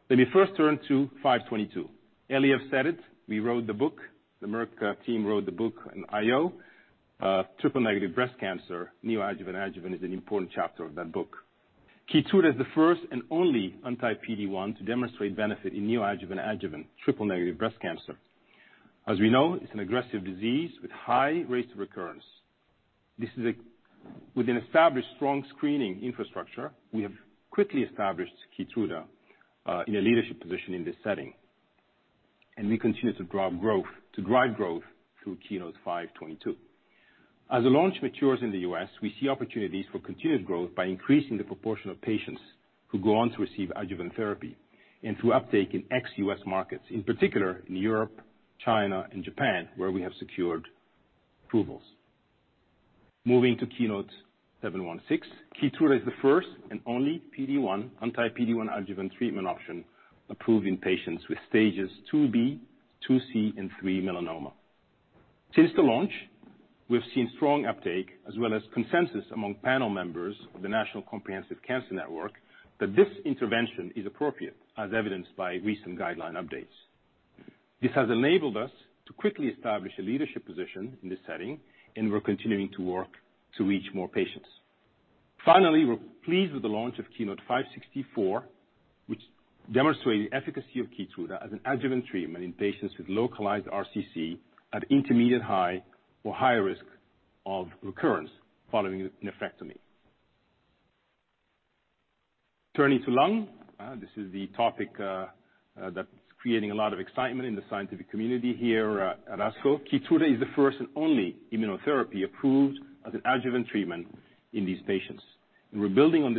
Let me first turn to 522. Eliav said it, we wrote the book, the Merck team wrote the book on IO, triple-negative breast cancer. Neoadjuvant adjuvant is an important chapter of that book. KEYTRUDA is the first and only anti-PD-1 to demonstrate benefit in neoadjuvant adjuvant triple-negative breast cancer. As we know, it's an aggressive disease with high rates of recurrence. With an established strong screening infrastructure, we have quickly established KEYTRUDA in a leadership position in this setting, and we continue to drive growth through KEYNOTE-522. As the launch matures in the U.S., we see opportunities for continued growth by increasing the proportion of patients who go on to receive adjuvant therapy, and through uptake in ex-U.S. markets, in particular in Europe, China, and Japan, where we have secured approvals. Moving to KEYNOTE-716, KEYTRUDA is the first and only PD-1, anti-PD-1 adjuvant treatment option approved in patients with stages 2B, 2C, and 3 melanoma. Since the launch, we've seen strong uptake as well as consensus among panel members of the National Comprehensive Cancer Network that this intervention is appropriate, as evidenced by recent guideline updates. This has enabled us to quickly establish a leadership position in this setting, and we're continuing to work to reach more patients. Finally, we're pleased with the launch of KEYNOTE-564, which demonstrated the efficacy of KEYTRUDA as an adjuvant treatment in patients with localized RCC at intermediate high or high risk of recurrence following a nephrectomy. Turning to lung, this is the topic that's creating a lot of excitement in the scientific community here at ASCO. KEYTRUDA is the first and only immunotherapy approved as an adjuvant treatment in these patients. We're building on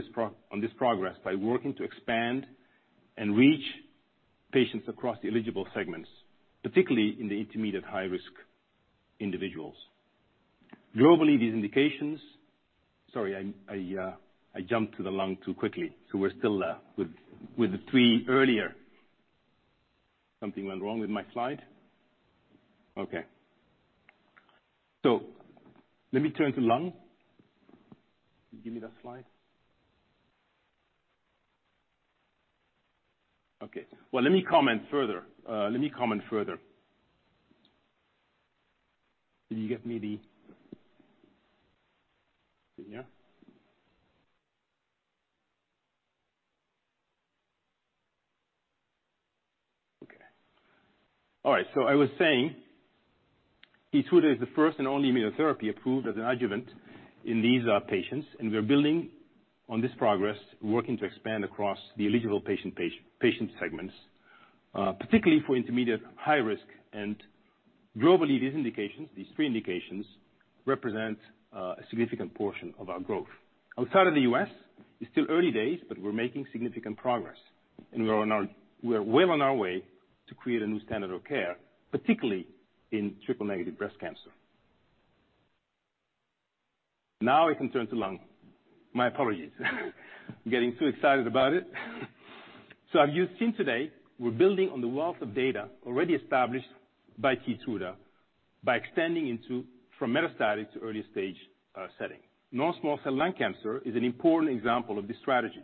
this progress by working to expand and reach patients across the eligible segments, particularly in the intermediate high-risk individuals. Globally, these indications... Sorry, I jumped to the lung too quickly, so we're still with the three earlier. Something went wrong with my slide. Let me turn to lung. Can you give me that slide? Well, let me comment further. Let me comment further. Did you get me the... Yeah. All right, so I was saying, KEYTRUDA is the first and only immunotherapy approved as an adjuvant in these patients, and we're building on this progress, working to expand across the eligible patient segments, particularly for intermediate high risk. Globally, these 3 indications represent a significant portion of our growth. Outside of the U.S., it's still early days, but we're making significant progress, and we're well on our way to create a new standard of care, particularly in triple-negative breast cancer. Now, I can turn to lung. My apologies. I'm getting too excited about it. As you've seen today, we're building on the wealth of data already established by KEYTRUDA by extending into, from metastatic to early stage setting. Non-small cell lung cancer is an important example of this strategy.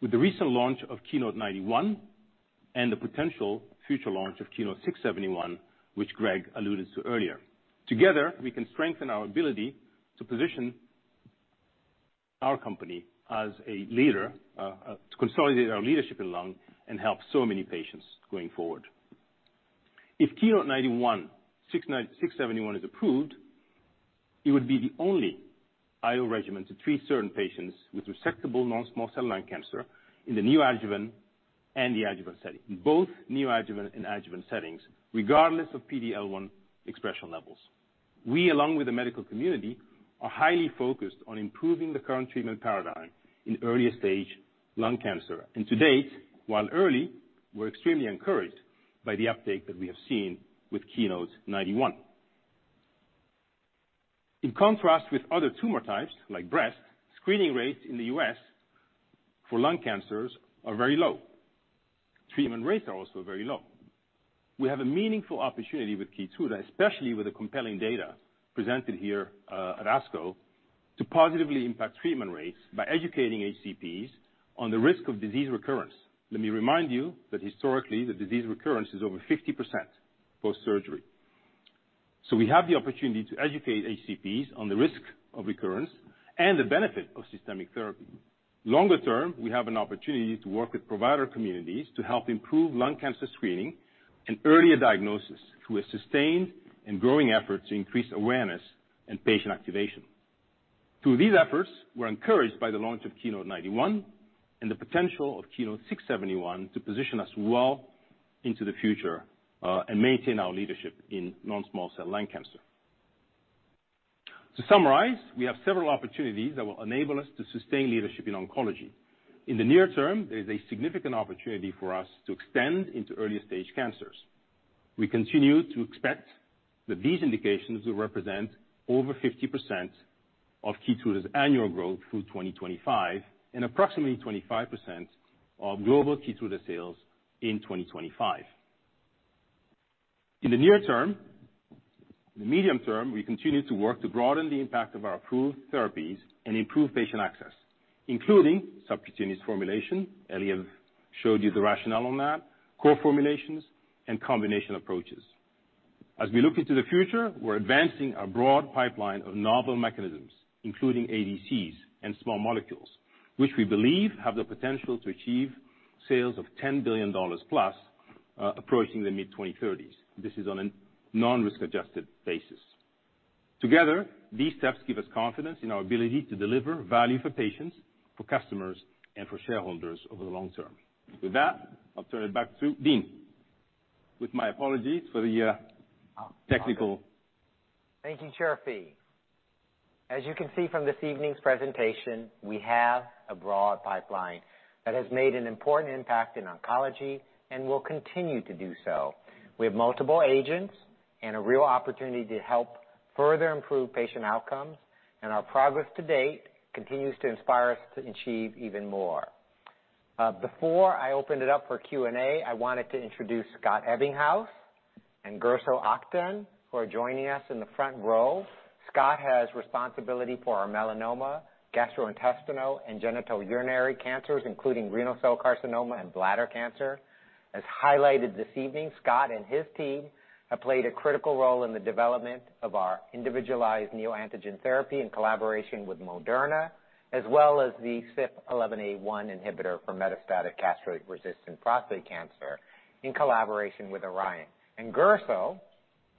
With the recent launch of KEYNOTE-91 and the potential future launch of KEYNOTE-671, which Greg alluded to earlier. Together, we can strengthen our ability to position our company as a leader, to consolidate our leadership in lung and help so many patients going forward. If KEYNOTE-091, KEYNOTE-671 is approved, it would be the only IO regimen to treat certain patients with resectable non-small cell lung cancer in the neoadjuvant and the adjuvant setting. In both neoadjuvant and adjuvant settings, regardless of PD-L1 expression levels. We, along with the medical community, are highly focused on improving the current treatment paradigm in earlier stage lung cancer. To date, while early, we're extremely encouraged by the uptake that we have seen with KEYNOTE-091. In contrast with other tumor types, like breast, screening rates in the U.S. for lung cancers are very low. Treatment rates are also very low. We have a meaningful opportunity with KEYTRUDA, especially with the compelling data presented here, at ASCO, to positively impact treatment rates by educating HCPs on the risk of disease recurrence. Let me remind you that historically, the disease recurrence is over 50% post-surgery. We have the opportunity to educate HCPs on the risk of recurrence and the benefit of systemic therapy. Longer term, we have an opportunity to work with provider communities to help improve lung cancer screening and earlier diagnosis through a sustained and growing effort to increase awareness and patient activation. Through these efforts, we're encouraged by the launch of KEYNOTE-91 and the potential of KEYNOTE-671 to position us well into the future and maintain our leadership in non-small cell lung cancer. To summarize, we have several opportunities that will enable us to sustain leadership in oncology. In the near term, there's a significant opportunity for us to extend into early stage cancers. We continue to expect that these indications will represent over 50% of KEYTRUDA's annual growth through 2025, and approximately 25% of global KEYTRUDA sales in 2025. In the near term, the medium term, we continue to work to broaden the impact of our approved therapies and improve patient access, including subcutaneous formulation. Eliav showed you the rationale on that, core formulations and combination approaches. As we look into the future, we're advancing our broad pipeline of novel mechanisms, including ADCs and small molecules, which we believe have the potential to achieve sales of $10 billion plus, approaching the mid-2030s. This is on a non-risk adjusted basis. Together, these steps give us confidence in our ability to deliver value for patients, for customers, and for shareholders over the long term. With that, I'll turn it back to Dean, with my apologies for the technical. Thank you, Chirfi. As you can see from this evening's presentation, we have a broad pipeline that has made an important impact in oncology and will continue to do so. We have multiple agents and a real opportunity to help further improve patient outcomes. Our progress to date continues to inspire us to achieve even more. Before I open it up for Q&A, I wanted to introduce Scott Ebbinghaus and Gursel Aktan, who are joining us in the front row. Scott has responsibility for our melanoma, gastrointestinal, and genital urinary cancers, including renal cell carcinoma and bladder cancer. As highlighted this evening, Scott and his team have played a critical role in the development of our individualized neoantigen therapy in collaboration with Moderna, as well as the CYP11A1 inhibitor for metastatic castrate-resistant prostate cancer in collaboration with Orion. Gursel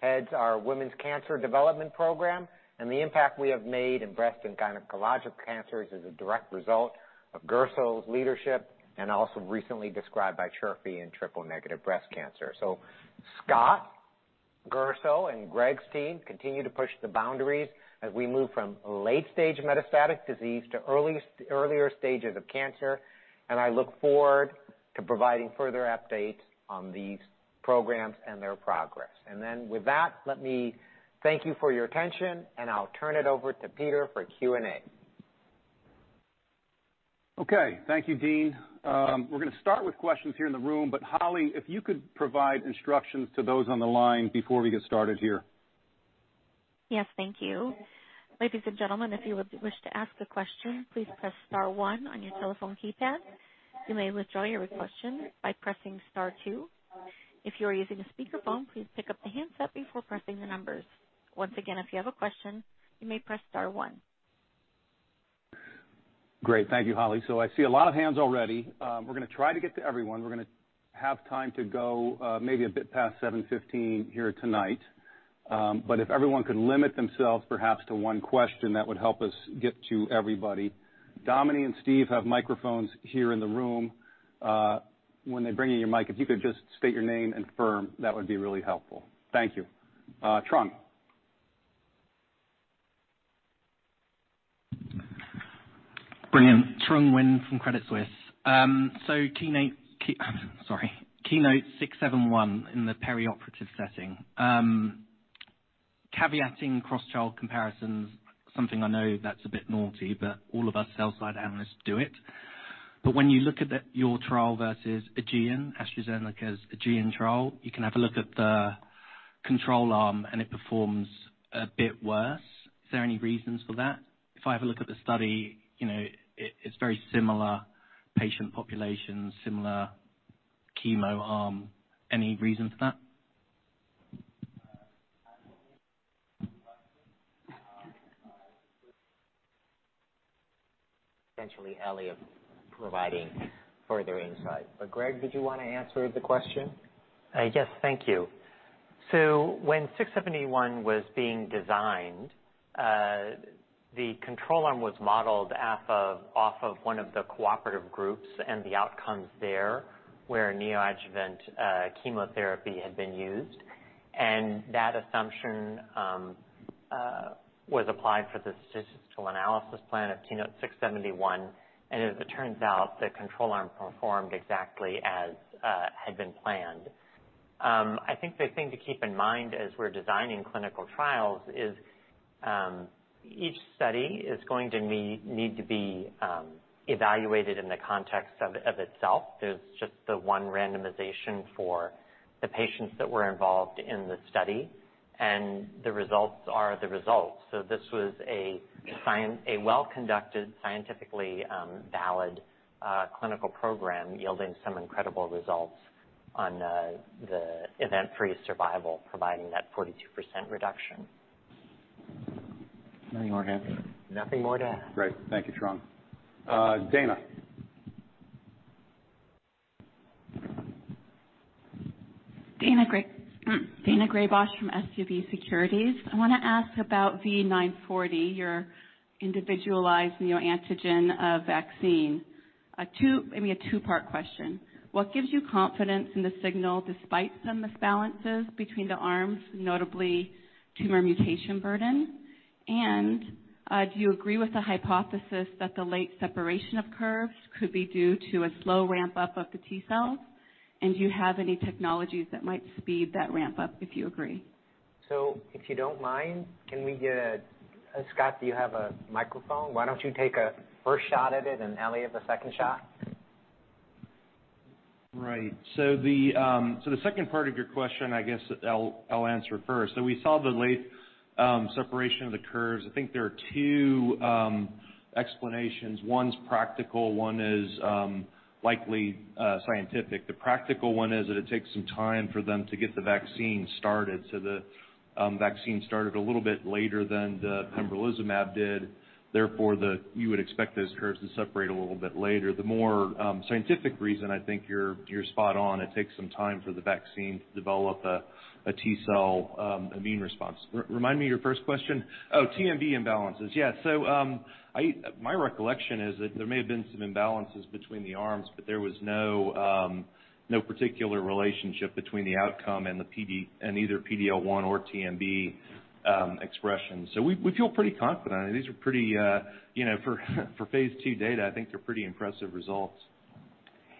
heads our women's cancer development program, and the impact we have made in breast and gynecologic cancers is a direct result of Gursel's leadership, and also recently described by Chirfi in triple-negative breast cancer. Scott, Gursel, and Greg's team continue to push the boundaries as we move from late-stage metastatic disease to earlier stages of cancer, and I look forward to providing further updates on these programs and their progress. With that, let me thank you for your attention, and I'll turn it over to Peter for Q&A. Okay, thank you, Dean. We're gonna start with questions here in the room, but Holly, if you could provide instructions to those on the line before we get started here. Yes, thank you. Ladies and gentlemen, if you would wish to ask a question, please press star one on your telephone keypad. You may withdraw your question by pressing star two. If you are using a speakerphone, please pick up the handset before pressing the numbers. Once again, if you have a question, you may press star one. Great. Thank you, Holly. I see a lot of hands already. We're gonna try to get to everyone. We're gonna have time to go, maybe a bit past 7:15 P.M. here tonight. If everyone could limit themselves, perhaps to one question, that would help us get to everybody. Dominique and Steve have microphones here in the room. When they bring you your mic, if you could just state your name and firm, that would be really helpful. Thank you. Trung. Brilliant. Trung Huynh from Credit Suisse. KEYNOTE 671 in the perioperative setting. Caveating cross trial comparisons, something I know that's a bit naughty, but all of us sell-side analysts do it. When you look at your trial versus AEGEAN, AstraZeneca's AEGEAN trial, you can have a look at the control arm, and it performs a bit worse. Is there any reasons for that? If I have a look at the study, you know, it's very similar patient population, similar chemo arm. Any reason for that? Essentially, Eliav providing further insight. Greg, did you want to answer the question? Yes. Thank you. When KEYNOTE-671 was being designed, the control arm was modeled off of one of the cooperative groups and the outcomes there, where neoadjuvant chemotherapy had been used. That assumption was applied for the statistical analysis plan of KEYNOTE-671. As it turns out, the control arm performed exactly as had been planned. I think the thing to keep in mind as we're designing clinical trials is each study is going to need to be evaluated in the context of itself. There's just the one randomization for the patients that were involved in the study. The results are the results. This was a well-conducted, scientifically valid clinical program yielding some incredible results on the event-free survival, providing that 42% reduction. Nothing more to add. Nothing more to add. Great. Thank you, Truong. Daina? Daina Graybosch from SVB Securities. I want to ask about V940, your individualized neoantigen vaccine. A two, maybe a two-part question. What gives you confidence in the signal despite some misbalances between the arms, notably tumor mutation burden? Do you agree with the hypothesis that the late separation of curves could be due to a slow ramp-up of the T-cells? Do you have any technologies that might speed that ramp up, if you agree? If you don't mind, can we get Scott, do you have a microphone? Why don't you take a first shot at it, and Eliav, the second shot. Right. The second part of your question, I guess I'll answer first. We saw the late separation of the curves. I think there are 2 explanations. One's practical, one is likely scientific. The practical one is that it takes some time for them to get the vaccine started. The vaccine started a little bit later than the pembrolizumab did, therefore, you would expect those curves to separate a little bit later. The more scientific reason, I think you're spot on. It takes some time for the vaccine to develop a T cell immune response. Remind me your first question. Oh, TMB imbalances. Yeah. My recollection is that there may have been some imbalances between the arms, but there was no particular relationship between the outcome and the PD-L1 or TMB expression. We, we feel pretty confident. These are pretty, you know, for phase II data, I think they're pretty impressive results.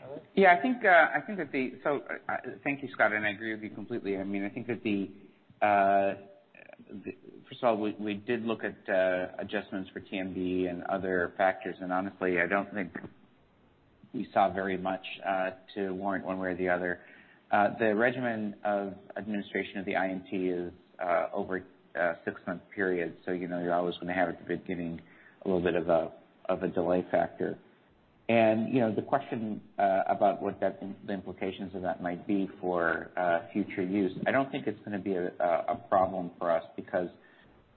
Eliav? Yeah, I think, I think that the. Thank you, Scott, and I agree with you completely. I mean, I think that the first of all, we did look at adjustments for TMB and other factors, and honestly, I don't think we saw very much to warrant one way or the other. The regimen of administration of the INT is over a six-month period, you know, you're always gonna have, at the beginning, a little bit of a, of a delay factor. You know, the question about what that, the implications of that might be for future use, I don't think it's gonna be a problem for us because,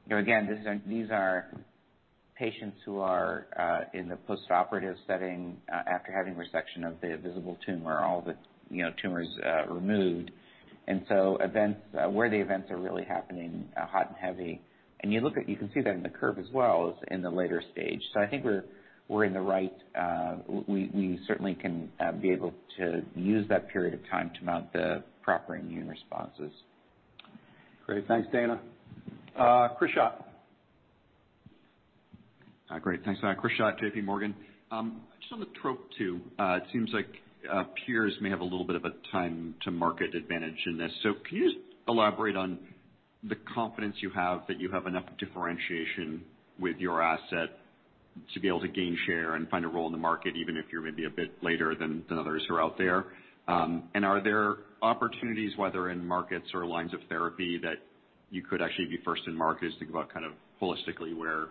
you know, again, these are patients who are in the postoperative setting, after having resection of the visible tumor, all the, you know, tumors removed. Events where the events are really happening hot and heavy, and you look at. You can see that in the curve as well as in the later stage. I think we're in the right, we certainly can be able to use that period of time to mount the proper immune responses. Great. Thanks, Dana. Chris Schott. Great, thanks. Chris Schott, J.P. Morgan. Just on the TROP2, it seems like peers may have a little bit of a time to market advantage in this. Can you just elaborate on the confidence you have that you have enough differentiation with your asset to be able to gain share and find a role in the market, even if you're maybe a bit later than others who are out there? Are there opportunities, whether in markets or lines of therapy, that you could actually be first in market as you think about kind of holistically, where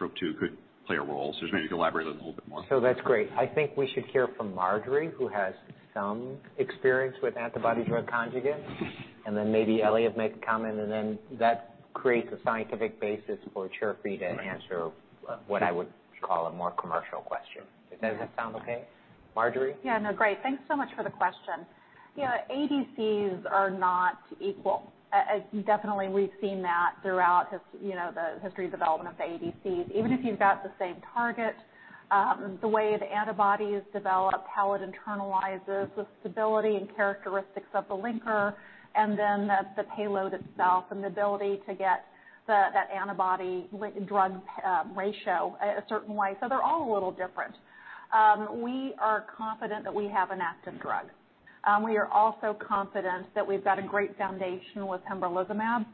TROP2 could play a role? Just maybe elaborate on that a little bit more. That's great. I think we should hear from Marjorie, who has some experience with antibody drug conjugates, and then maybe Eliav make a comment, and then that creates a scientific basis for Chirfi to answer what I would call a more commercial question. Does that sound okay? Marjorie? Yeah, no, great. Thanks so much for the question. You know, ADCs are not equal. Definitely, we've seen that throughout the history of development of ADCs. Even if you've got the same target, the way the antibody is developed, how it internalizes the stability and characteristics of the linker, and then the payload itself and the ability to get that antibody with drug ratio a certain way. They're all a little different. We are confident that we have an active drug. We are also confident that we've got a great foundation with pembrolizumab,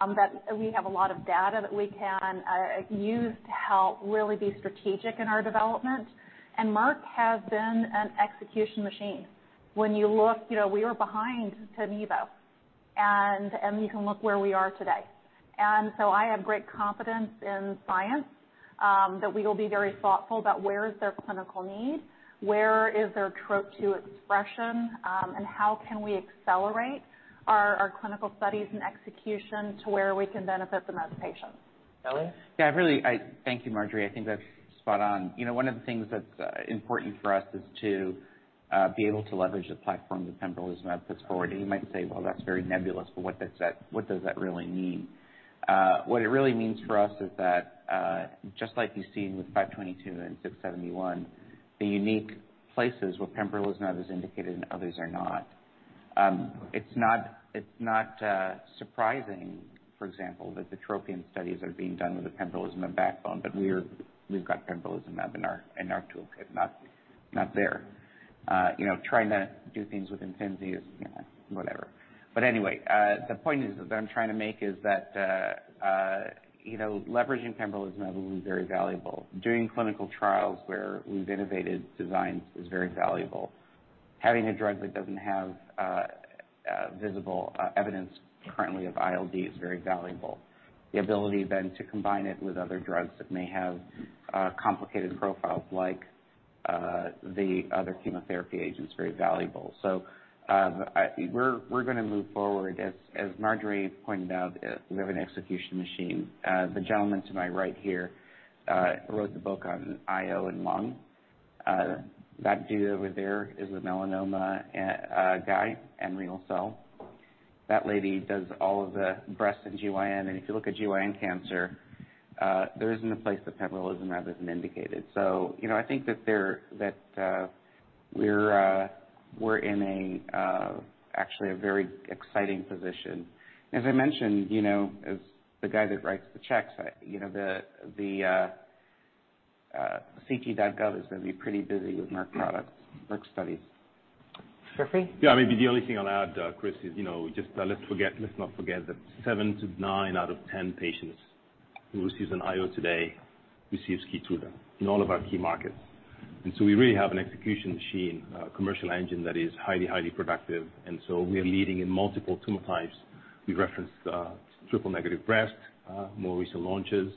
that we have a lot of data that we can use to help really be strategic in our development. Merck has been an execution machine. When you look... You know, we were behind Tinibo, and you can look where we are today. I have great confidence in science that we will be very thoughtful about where is there clinical need, where is there Trop-2 expression, and how can we accelerate our clinical studies and execution to where we can benefit the most patients. Eliav? Yeah, I really thank you, Marjorie. I think that's spot on. You know, one of the things that's important for us is to be able to leverage the platform that pembrolizumab puts forward. You might say, "Well, that's very nebulous, but what does that really mean?" What it really means for us is that just like you've seen with 522 and 671, the unique places where pembrolizumab is indicated and others are not. It's not surprising, for example, that the TROPION studies are being done with a pembrolizumab backbone, but we've got pembrolizumab in our toolkit, not there. You know, trying to do things with IMFINZI is, you know, whatever. Anyway, the point is, that I'm trying to make is that, you know, leveraging pembrolizumab will be very valuable. Doing clinical trials where we've innovated designs is very valuable. Having a drug that doesn't have visible evidence currently of ILD is very valuable. The ability then to combine it with other drugs that may have complicated profiles, the other chemotherapy agents very valuable. We're gonna move forward. As Marjorie pointed out, we have an execution machine. The gentleman to my right here wrote the book on IO and lung. That dude over there is a melanoma and guy and renal cell. That lady does all of the breast and GYN, and if you look at GYN cancer, there isn't a place that pembrolizumab isn't indicated. You know, I think that there, that, we're in a, actually a very exciting position. As I mentioned, you know, as the guy that writes the checks, you know, the ct.gov is gonna be pretty busy with Merck products, Merck studies. Chirfi? Yeah, maybe the only thing I'll add, Chris, is, you know, just, let's not forget that 7 to 9 out of 10 patients who receives an IO today, receives KEYTRUDA in all of our key markets. We really have an execution machine, commercial engine that is highly productive, we are leading in multiple tumor types. We referenced, triple-negative breast, more recent launches.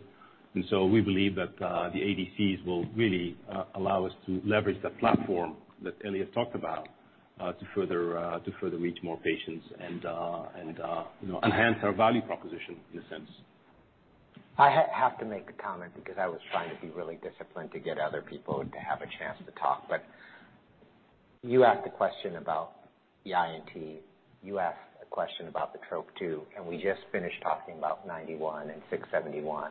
We believe that the ADCs will really allow us to leverage the platform that Eliav talked about, to further reach more patients and, you know, enhance our value proposition in a sense. I have to make a comment because I was trying to be really disciplined to get other people to have a chance to talk. You asked a question about the INT, you asked a question about the TROP2, and we just finished talking about KEYNOTE-091 and KEYNOTE-671.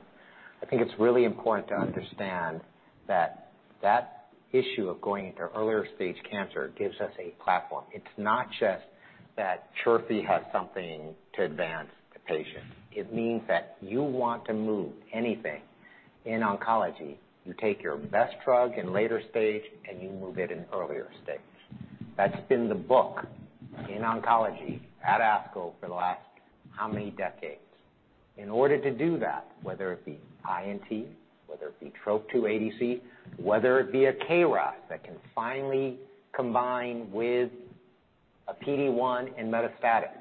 I think it's really important to understand that that issue of going into earlier stage cancer gives us a platform. It's not just that Chirfi has something to advance the patient. It means that you want to move anything in oncology, you take your best drug in later stage, and you move it in earlier stage. That's been the book in oncology at ASCO for the last how many decades. In order to do that, whether it be INT, whether it be TROP2 ADC, whether it be a KRAS that can finally combine with a PD-1 in metastatic,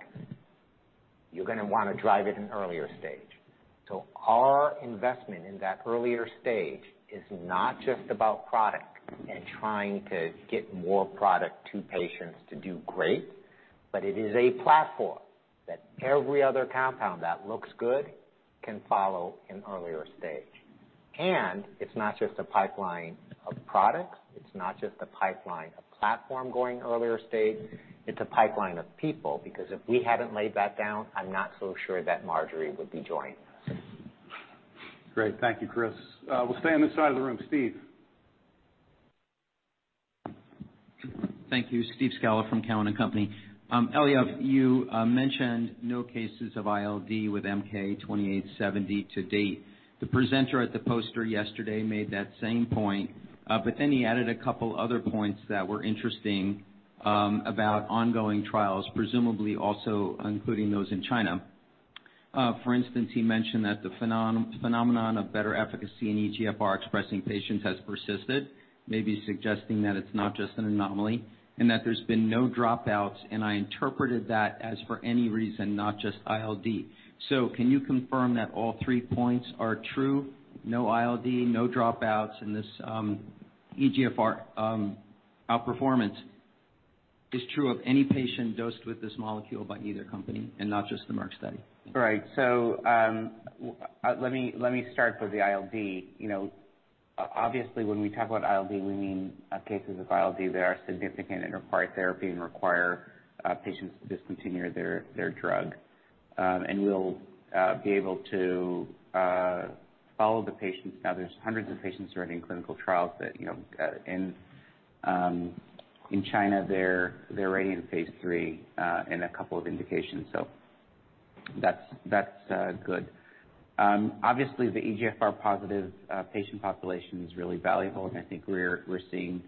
you're gonna wanna drive it in earlier stage. Our investment in that earlier stage is not just about product and trying to get more product to patients to do great, but it is a platform that every other compound that looks good can follow in earlier stage. It's not just a pipeline of products, it's not just a pipeline of platform going earlier stage, it's a pipeline of people, because if we hadn't laid that down, I'm not so sure that Marjorie would be joining us. Great. Thank you, Chris. We'll stay on this side of the room. Steve. Thank you. Steve Scala from Cowen and Company. Eliav, you mentioned no cases of ILD with MK-2870 to date. The presenter at the poster yesterday made that same point. He added a couple other points that were interesting about ongoing trials, presumably also including those in China. For instance, he mentioned that the phenomenon of better efficacy in EGFR expressing patients has persisted, maybe suggesting that it's not just an anomaly, and that there's been no dropouts, and I interpreted that as for any reason, not just ILD. Can you confirm that all three points are true? No ILD, no dropouts, and this EGFR outperformance is true of any patient dosed with this molecule by either company, and not just the Merck study. Right. Let me start with the ILD. You know, obviously, when we talk about ILD, we mean, cases of ILD that are significant and require therapy and require patients to discontinue their drug. We'll be able to follow the patients. Now, there's hundreds of patients who are in clinical trials that, you know, in China, they're already in phase III, in a couple of indications, so that's good. Obviously, the EGFR positive patient population is really valuable, and I think we're seeing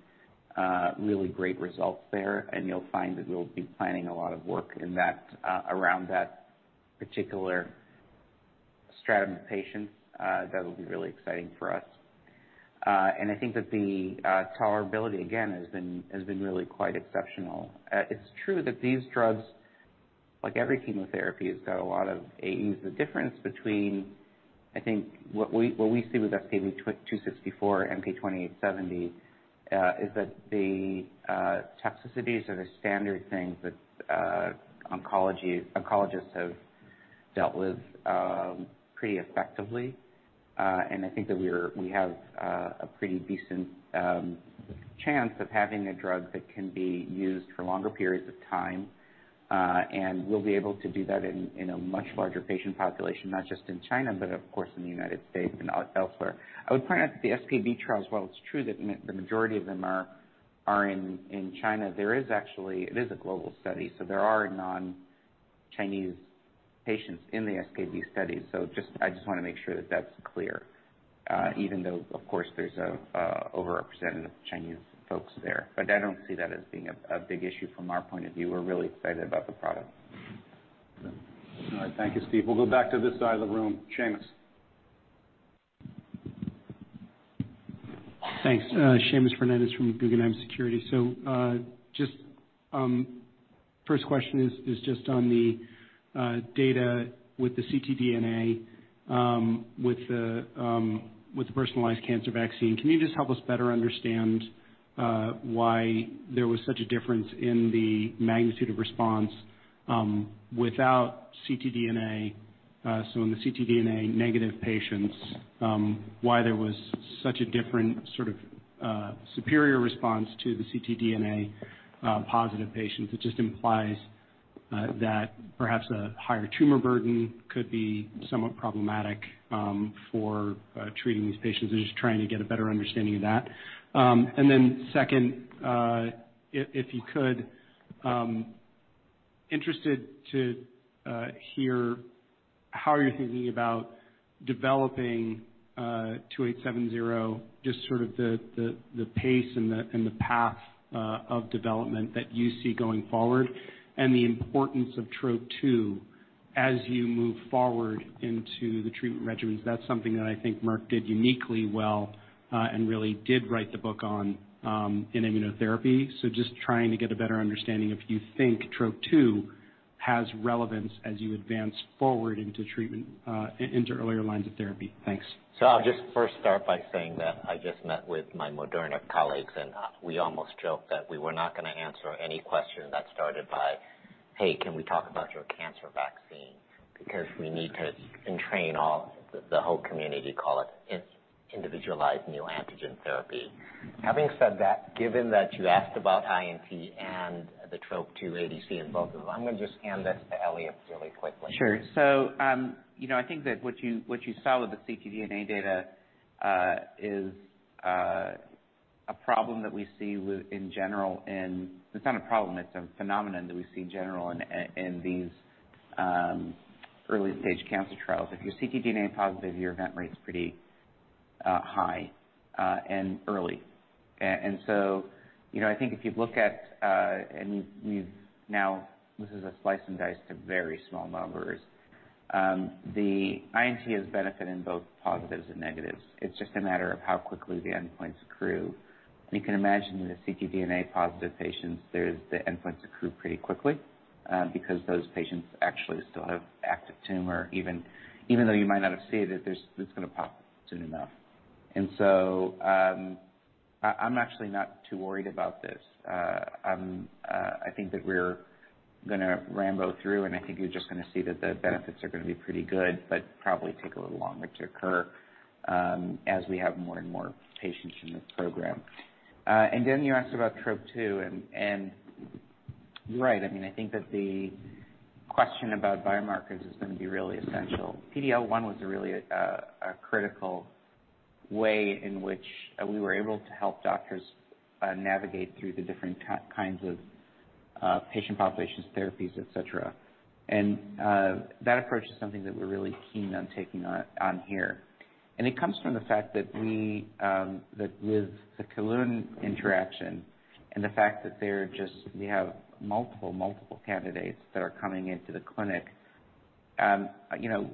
really great results there, and you'll find that we'll be planning a lot of work in that around that particular stratum of patients. That will be really exciting for us. I think that the tolerability, again, has been really quite exceptional. It's true that these drugs, like every chemotherapy, has got a lot of AEs. The difference between, I think what we see with SKB-264, MK-2870, is that the toxicities are the standard things that oncologists have dealt with pretty effectively. I think that we have a pretty decent chance of having a drug that can be used for longer periods of time. We'll be able to do that in a much larger patient population, not just in China, but of course, in the United States and elsewhere. I would point out that the SKB trial, while it's true, that the majority of them are in China. There is actually. It is a global study. There are non-Chinese patients in the SKB study. Just I just wanna make sure that's clear, even though, of course, there's a over-representative of Chinese folks there. I don't see that as being a big issue from our point of view. We're really excited about the product. All right. Thank you, Steve. We'll go back to this side of the room. Seamus. Thanks. Seamus Fernandez from Guggenheim Securities. First question is just on the data with the ctDNA, with the personalized cancer vaccine. Can you just help us better understand why there was such a difference in the magnitude of response without ctDNA? In the ctDNA-negative patients, why there was such a different sort of superior response to the ctDNA positive patients? It just implies that perhaps a higher tumor burden could be somewhat problematic for treating these patients. I'm just trying to get a better understanding of that. Second, if you could, interested to hear how you're thinking about developing 2870, just sort of the pace and the path of development that you see going forward, and the importance of TROP2 as you move forward into the treatment regimens. That's something that I think Merck did uniquely well, and really did write the book on in immunotherapy. Just trying to get a better understanding if you think TROP2 has relevance as you advance forward into treatment into earlier lines of therapy. Thanks. I'll just first start by saying that I just met with my Moderna colleagues, and we almost joked that we were not gonna answer any question that started by, "Hey, can we talk about your cancer vaccine?" Because we need to entrain all, the whole community, call it individualized neoantigen therapy. Having said that, given that you asked about INT and the Trop-2 ADC in both of them, I'm gonna just hand this to Eliav really quickly. Sure. You know, I think that what you saw with the ctDNA data is a problem that we see with. It's not a problem, it's a phenomenon that we see in general in these early-stage cancer trials. If you're ctDNA positive, your event rate is pretty high and early. You know, I think if you look at, and we've now, this is a slice and dice to very small numbers. The INT has benefit in both positives and negatives. It's just a matter of how quickly the endpoints accrue. You can imagine in the ctDNA-positive patients, the endpoints accrue pretty quickly, because those patients actually still have active tumor. Even though you might not have seen it's gonna pop soon enough. t too worried about this. I think that we're gonna Rambo through, and I think you're just gonna see that the benefits are gonna be pretty good, but probably take a little longer to occur, as we have more and more patients in this program. Then you asked about TROP2, and you're right. I mean, I think that the question about biomarkers is gonna be really essential. PD-L1 was really a critical way in which we were able to help doctors navigate through the different kinds of patient populations, therapies, et cetera. That approach is something that we're really keen on taking on here. It comes from the fact that we, that with the Kelun interaction and the fact that we have multiple candidates that are coming into the clinic, you know,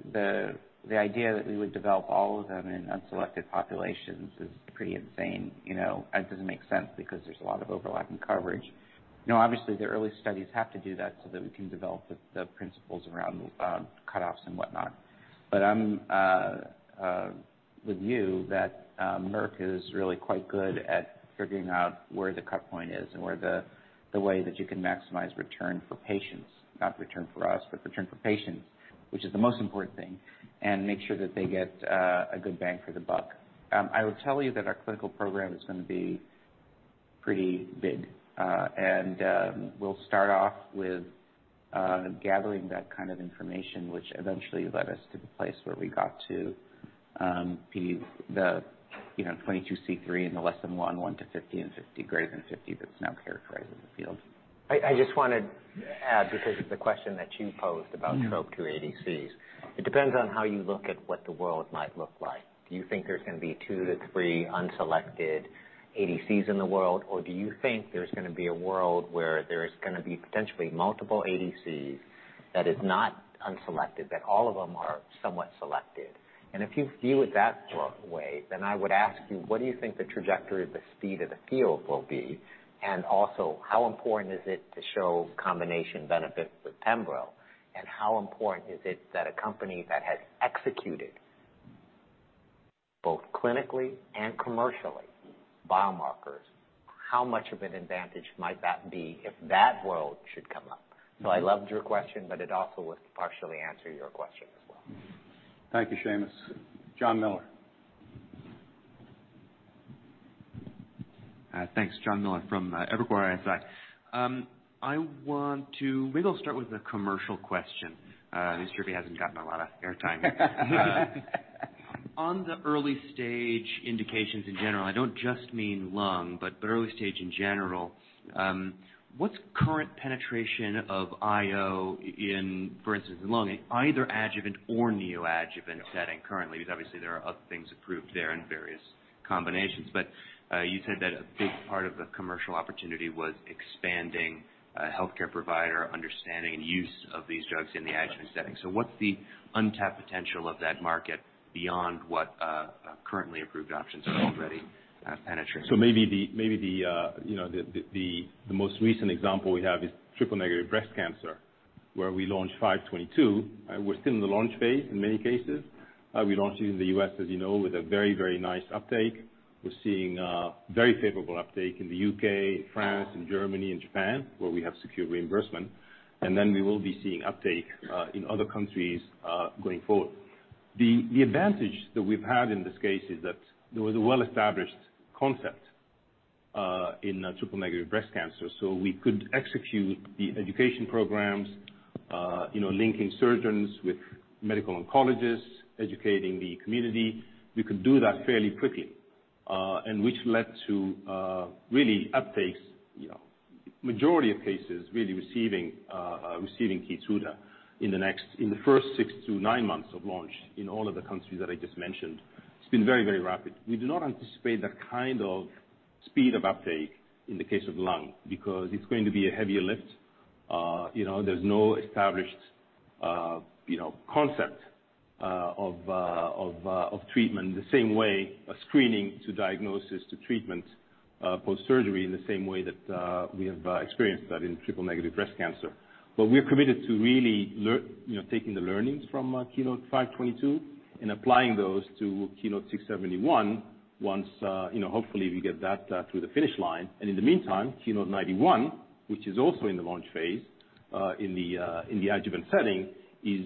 the idea that we would develop all of them in unselected populations is pretty insane. You know, it doesn't make sense because there's a lot of overlapping coverage. You know, obviously, the early studies have to do that so that we can develop the principles around cutoffs and whatnot. I'm with you that Merck is really quite good at figuring out where the cut point is and where the way that you can maximize return for patients, not return for us, but return for patients, which is the most important thing, and make sure that they get a good bang for the buck. I will tell you that our clinical program is gonna be pretty big. we'll start off with gathering that kind of information which eventually led us to the place where we got to, the, you know, 22C3 and the less than 1 to 50 and 50 greater than 50 that's now characterized in the field. I just want to add, because of the question that you posed about Trop-2 ADCs, it depends on how you look at what the world might look like. Do you think there's gonna be 2-3 unselected ADCs in the world? Or do you think there's gonna be a world where there's gonna be potentially multiple ADCs that is not unselected, that all of them are somewhat selected? If you view it that way, then I would ask you, what do you think the trajectory of the speed of the field will be? Also, how important is it to show combination benefits with pembro? How important is it that a company that has executed both clinically and commercially, biomarkers, how much of an advantage might that be if that world should come up? I loved your question, but it also was to partially answer your question as well. Thank you, Seamus. Jonathan Miller. Thanks. Jonathan Miller from Evercore ISI. I want to maybe I'll start with a commercial question. This surely hasn't gotten a lot of airtime. On the early stage indications in general, I don't just mean lung, but early stage in general, what's current penetration of IO in, for instance, in lung, either adjuvant or neoadjuvant setting currently? Because obviously there are other things approved there in various combinations. You said that a big part of the commercial opportunity was expanding healthcare provider understanding and use of these drugs in the adjuvant setting. What's the untapped potential of that market beyond what currently approved options are already penetrating? maybe the, you know, the most recent example we have is triple-negative breast cancer, where we launched KEYNOTE-522. We're still in the launch phase in many cases. We launched it in the U.S., as you know, with a very nice uptake. We're seeing a very favorable uptake in the U.K., France and Germany and Japan, where we have secure reimbursement. Then we will be seeing uptake in other countries going forward. The advantage that we've had in this case is that there was a well-established concept in triple-negative breast cancer, so we could execute the education programs, you know, linking surgeons with medical oncologists, educating the community. We could do that fairly quickly, which led to really uptakes, you know, majority of cases really receiving KEYTRUDA in the first six to nine months of launch in all of the countries that I just mentioned. It's been very, very rapid. We do not anticipate that kind of speed of uptake in the case of lung, because it's going to be a heavier lift. You know, there's no established, you know, concept of treatment the same way, a screening to diagnosis, to treatment, post-surgery, in the same way that we have experienced that in triple negative breast cancer. We're committed to really learn... You know, taking the learnings from KEYNOTE-522 and applying those to KEYNOTE-671 once, you know, hopefully, we get that to the finish line. In the meantime, KEYNOTE-091, which is also in the launch phase, in the adjuvant setting, is,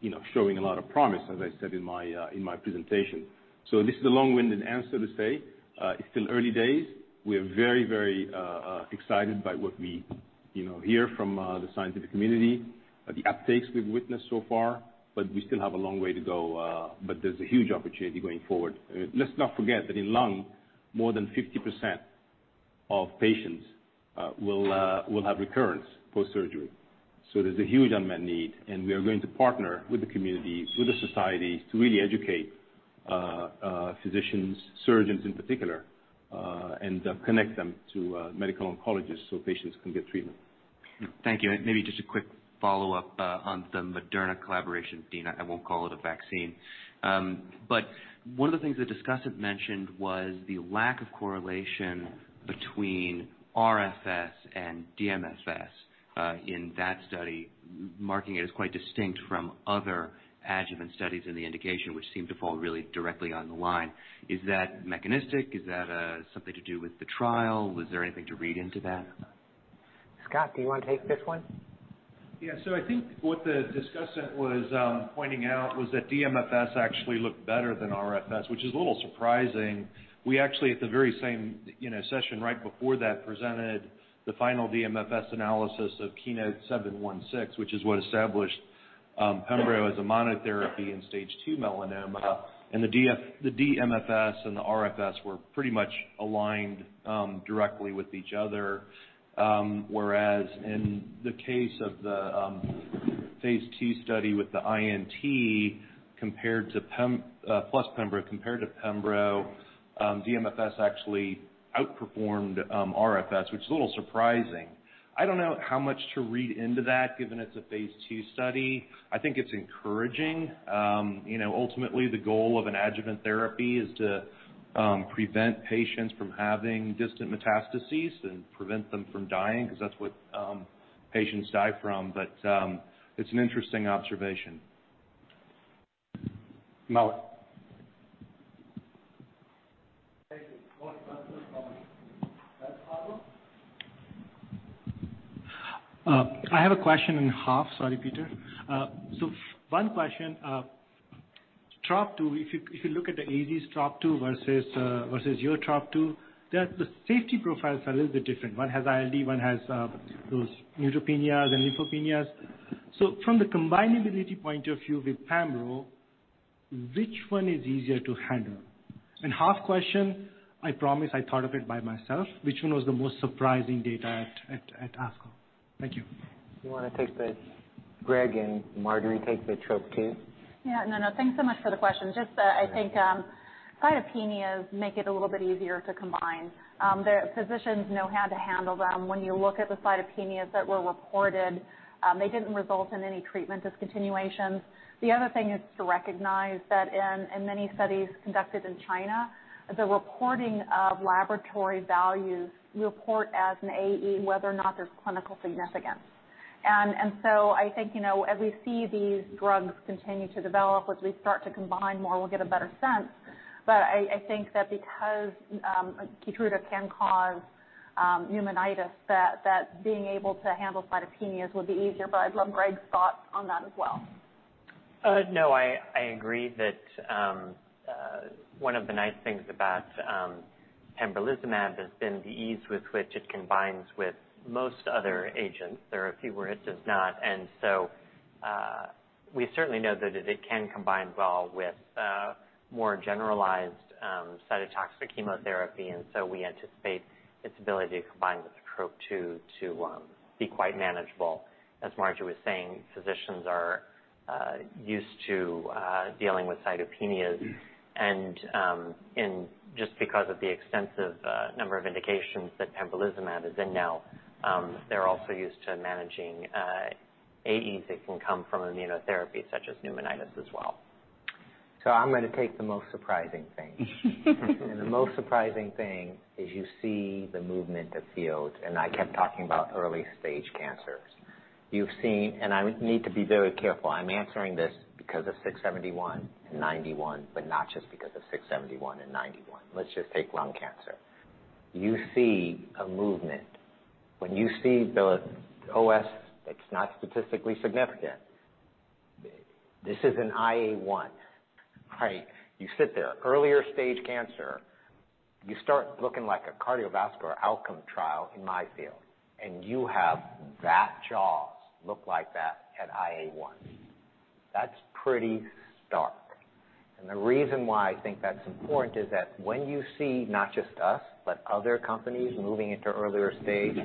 you know, showing a lot of promise, as I said in my presentation. This is a long-winded answer to say, it's still early days. We are very excited by what we, you know, hear from the scientific community, the uptakes we've witnessed so far. We still have a long way to go, but there's a huge opportunity going forward. Let's not forget that in lung, more than 50% of patients will have recurrence post-surgery. There's a huge unmet need, and we are going to partner with the community, with the society, to really educate physicians, surgeons in particular, and connect them to medical oncologists so patients can get treatment. Thank you. Maybe just a quick follow-up, on the Moderna collaboration, Dina. I won't call it a vaccine. One of the things the discussant mentioned was the lack of correlation between RFS and DMFS, in that study, marking it as quite distinct from other adjuvant studies in the indication, which seemed to fall really directly on the line. Is that mechanistic? Is that, something to do with the trial? Was there anything to read into that? Scott, do you want to take this one? Yeah. I think what the discussant was pointing out was that DMFS actually looked better than RFS, which is a little surprising. We actually, at the very same, you know, session right before that, presented the final DMFS analysis of KEYNOTE-716, which is what established pembro as a monotherapy in stage 2 melanoma. The DMFS and the RFS were pretty much aligned directly with each other. Whereas in the case of the phase II study with the INT compared to plus pembro, compared to pembro, DMFS actually outperformed RFS, which is a little surprising. I don't know how much to read into that, given it's a phase II study. I think it's encouraging. You know, ultimately, the goal of an adjuvant therapy is to prevent patients from having distant metastases and prevent them from dying, because that's what patients die from. It's an interesting observation. Malik. Thank you. I have a question in half. Sorry, Peter. One question, Trop-2, if you look at the ADs, Trop-2 versus your Trop-2, the safety profile is a little bit different. One has ILD, one has those neutropenia and lymphopenias. From the combinability point of view with pembro, which one is easier to handle? Half question, I promise I thought of it by myself, which one was the most surprising data at ASCO? Thank you. You want to take Greg and Marjorie take the TROP2? No, no. Thanks so much for the question. Just, I think cytopenias make it a little bit easier to combine. The physicians know how to handle them. When you look at the cytopenias that were reported, they didn't result in any treatment discontinuations. The other thing is to recognize that in many studies conducted in China, the reporting of laboratory values report as an AE, whether or not there's clinical significance. I think, you know, as we see these drugs continue to develop, as we start to combine more, we'll get a better sense. I think that because KEYTRUDA can cause pneumonitis, that being able to handle cytopenias would be easier, but I'd love Greg's thoughts on that as well. No, I agree that one of the nice things about pembrolizumab has been the ease with which it combines with most other agents. There are a few where it does not. We certainly know that it can combine well with more generalized cytotoxic chemotherapy. We anticipate its ability to combine with TROP2 to be quite manageable used to dealing with cytopenias. Just because of the extensive number of indications that pembrolizumab is in now, they're also used to managing AEs that can come from immunotherapy, such as pneumonitis as well. I'm gonna take the most surprising thing. The most surprising thing is you see the movement of field, and I kept talking about early-stage cancers. I need to be very careful. I'm answering this because of 671 and 91, but not just because of 671 and 91. Let's just take lung cancer. You see a movement. When you see the OS, it's not statistically significant. This is an IA 1, right? You sit there, earlier stage cancer, you start looking like a cardiovascular outcome trial in my field, and you have that JAWs look like that at IA 1. That's pretty stark. The reason why I think that's important is that when you see not just us, but other companies moving into earlier stage,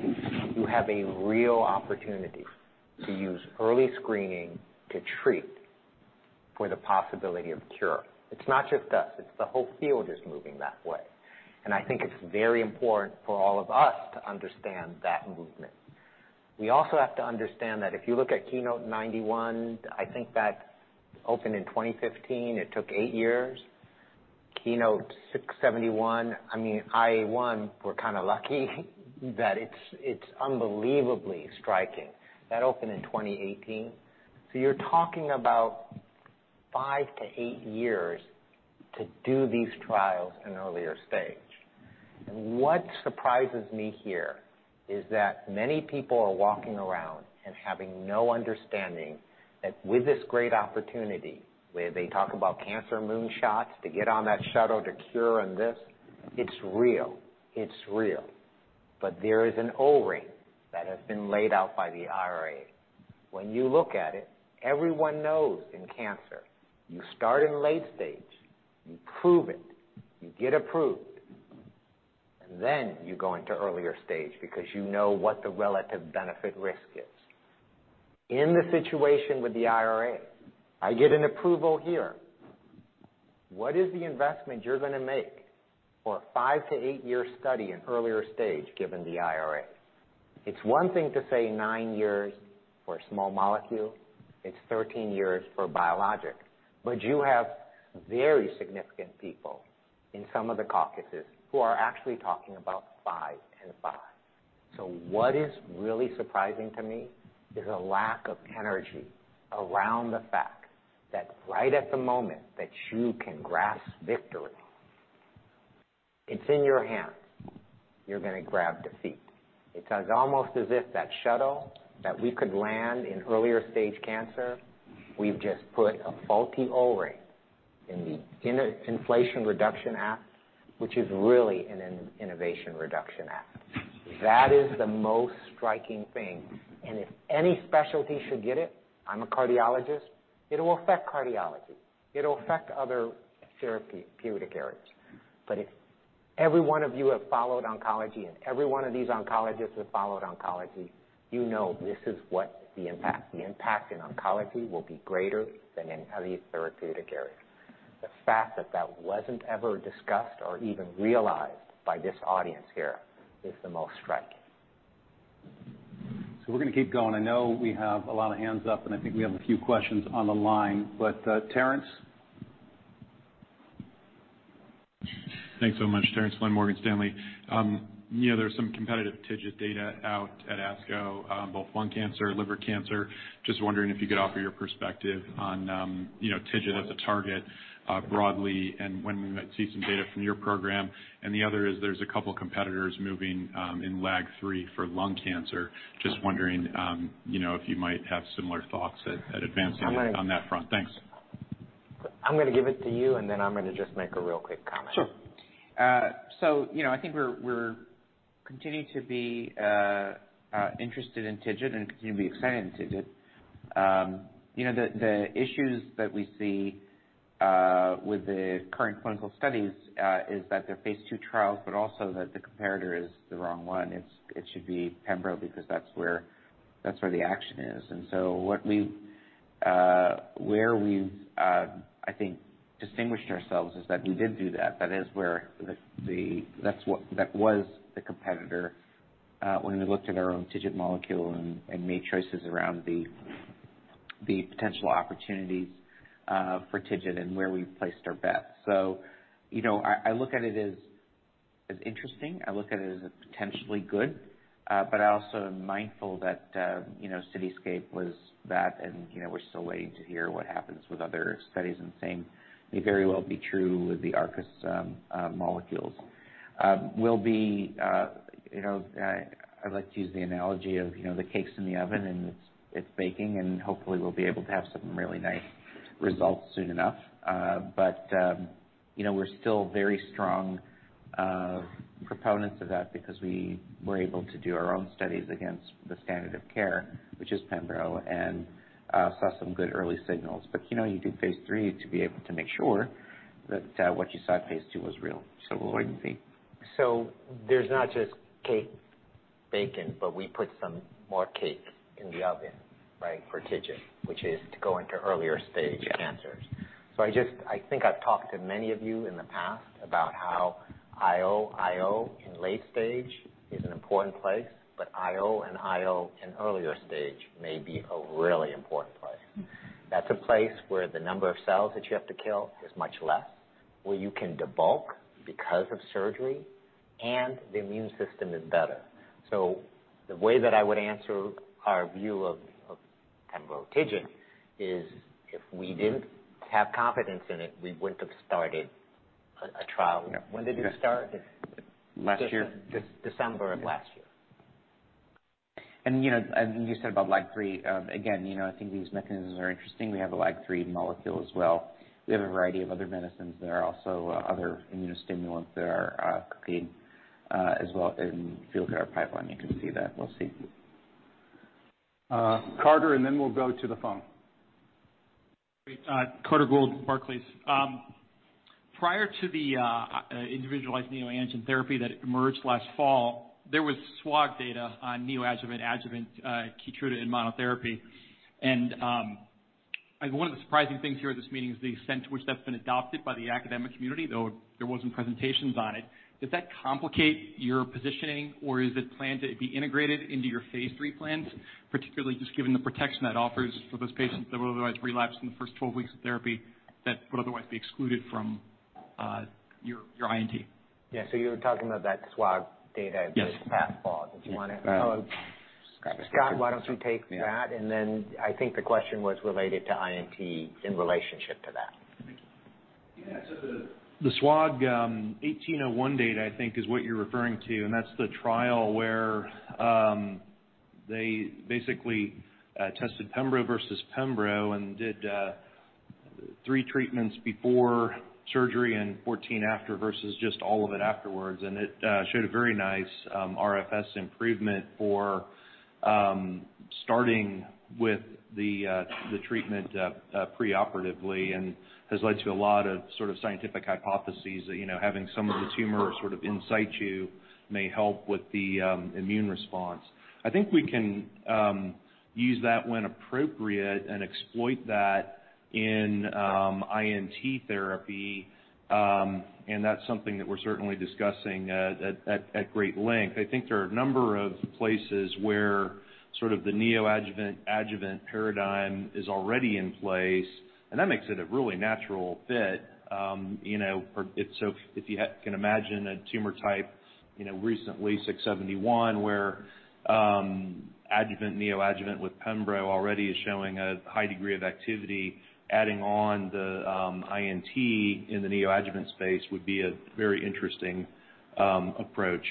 you have a real opportunity to use early screening to treat for the possibility of cure. It's not just us, it's the whole field is moving that way, and I think it's very important for all of us to understand that movement. We also have to understand that if you look at KEYNOTE-091, I think that opened in 2015, it took 8 years. KEYNOTE-671, I mean, IA one, we're kind of lucky that it's unbelievably striking. That opened in 2018. You're talking about 5 to 8 years to do these trials in earlier stage. What surprises me here is that many people are walking around and having no understanding that with this great opportunity, where they talk about cancer moonshots to get on that shuttle to cure and this, it's real, it's real. There is an O-ring that has been laid out by the IRA. When you look at it, everyone knows in cancer, you start in late stage, you prove it, you get approved, and then you go into earlier stage because you know what the relative benefit risk is. In the situation with the IRA, I get an approval here. What is the investment you're gonna make for a five to eight-year study in earlier stage, given the IRA? It's one thing to say nine years for a small molecule, it's 13 years for biologic, but you have very significant people in some of the caucuses who are actually talking about five and five. What is really surprising to me is a lack of energy around the fact that right at the moment that you can grasp victory, it's in your hands, you're gonna grab defeat. It's almost as if that shuttle that we could land in earlier stage cancer, we've just put a faulty O-ring in the Inflation Reduction Act, which is really an Innovation Reduction Act. That is the most striking thing, and if any specialty should get it, I'm a cardiologist, it'll affect cardiology. It'll affect other therapeutic areas. If every one of you have followed oncology, and every one of these oncologists have followed oncology, you know this is what the impact in oncology will be greater than any other therapeutic area. The fact that that wasn't ever discussed or even realized by this audience here is the most striking. We're gonna keep going. I know we have a lot of hands up, and I think we have a few questions on the line, but Terrence? Thanks so much, Terrence Flynn, Morgan Stanley. You know, there's some competitive TIGIT data out at ASCO, both lung cancer, liver cancer. Just wondering if you could offer your perspective on, you know, TIGIT as a target, broadly, and when we might see some data from your program? The other is there's a couple competitors moving, in LAG-3 for lung cancer. Just wondering, you know, if you might have similar thoughts at advancing on that front? Thanks. I'm gonna give it to you, and then I'm gonna just make a real quick comment. Sure. you know, I think we're continuing to be interested in TIGIT and continue to be excited in TIGIT. you know, the issues that we see with the current clinical studies is that they're phase II trials, but also that the comparator is the wrong one. It should be pembro, because that's where, that's where the action is. What we, where we've, I think, distinguished ourselves is that we did do that. That is where the That was the competitor, when we looked at our own TIGIT molecule and made choices around the potential opportunities for TIGIT and where we've placed our bets. You know, I look at it as interesting. I look at it as potentially good. I also am mindful that, you know, CITYSCAPE was that, and, you know, we're still waiting to hear what happens with other studies and same may very well be true with the Arcus molecules. We'll be, you know, I'd like to use the analogy of, you know, the cake's in the oven and it's baking, and hopefully, we'll be able to have some really nice results soon enough. We're still very strong proponents of that because we were able to do our own studies against the standard of care, which is pembro, and saw some good early signals. You know, you do phase III to be able to make sure that what you saw at phase II was real. We're waiting to see. There's not just cake?...bacon, but we put some more cake in the oven, right? For TIGIT, which is to go into earlier stage cancers. I just, I think I've talked to many of you in the past about how IO in late stage is an important place, but IO in earlier stage may be a really important place. That's a place where the number of cells that you have to kill is much less, where you can debulk because of surgery, and the immune system is better. The way that I would answer our view of pembro TIGIT is, if we didn't have confidence in it, we wouldn't have started a trial. No. When did we start it? Last year. December of last year. You know, and you said about LAG-3, again, you know, I think these mechanisms are interesting. We have a LAG-3 molecule as well. We have a variety of other medicines that are also, other immunostimulants that are, cooking, as well. If you look at our pipeline, you can see that. We'll see. Carter, then we'll go to the phone. Great, Carter Gould, Barclays. Prior to the individualized neo-adjuvant therapy that emerged last fall, there was SWOG data on neoadjuvant adjuvant Keytruda in monotherapy. One of the surprising things here at this meeting is the extent to which that's been adopted by the academic community, though there wasn't presentations on it. Does that complicate your positioning, or is it planned to be integrated into your phase III plans, particularly just given the protection that offers for those patients that would otherwise relapse in the first 12 weeks of therapy that would otherwise be excluded from your INT? Yeah. You're talking about that SWOG data- Yes. that was passed fall. Do you wanna...? Scott, Scott, why don't you take that? Yeah. I think the question was related to INT in relationship to that. Thank you. Yeah. The SWOG S1801 data, I think, is what you're referring to. That's the trial where they basically tested pembro versus pembro and did three treatments before surgery and 14 after, versus just all of it afterwards. It showed a very nice RFS improvement for starting with the treatment preoperatively, has led to a lot of sort of scientific hypotheses that, you know, having some of the tumor sort of inside you may help with the immune response. I think we can use that when appropriate and exploit that in INT therapy. That's something that we're certainly discussing at great length. I think there are a number of places where sort of the neoadjuvant adjuvant paradigm is already in place, and that makes it a really natural fit. You know, so if you can imagine a tumor type, you know, recently, KEYNOTE-671, where, adjuvant, neoadjuvant with pembro already is showing a high degree of activity, adding on the INT in the neoadjuvant space would be a very interesting approach.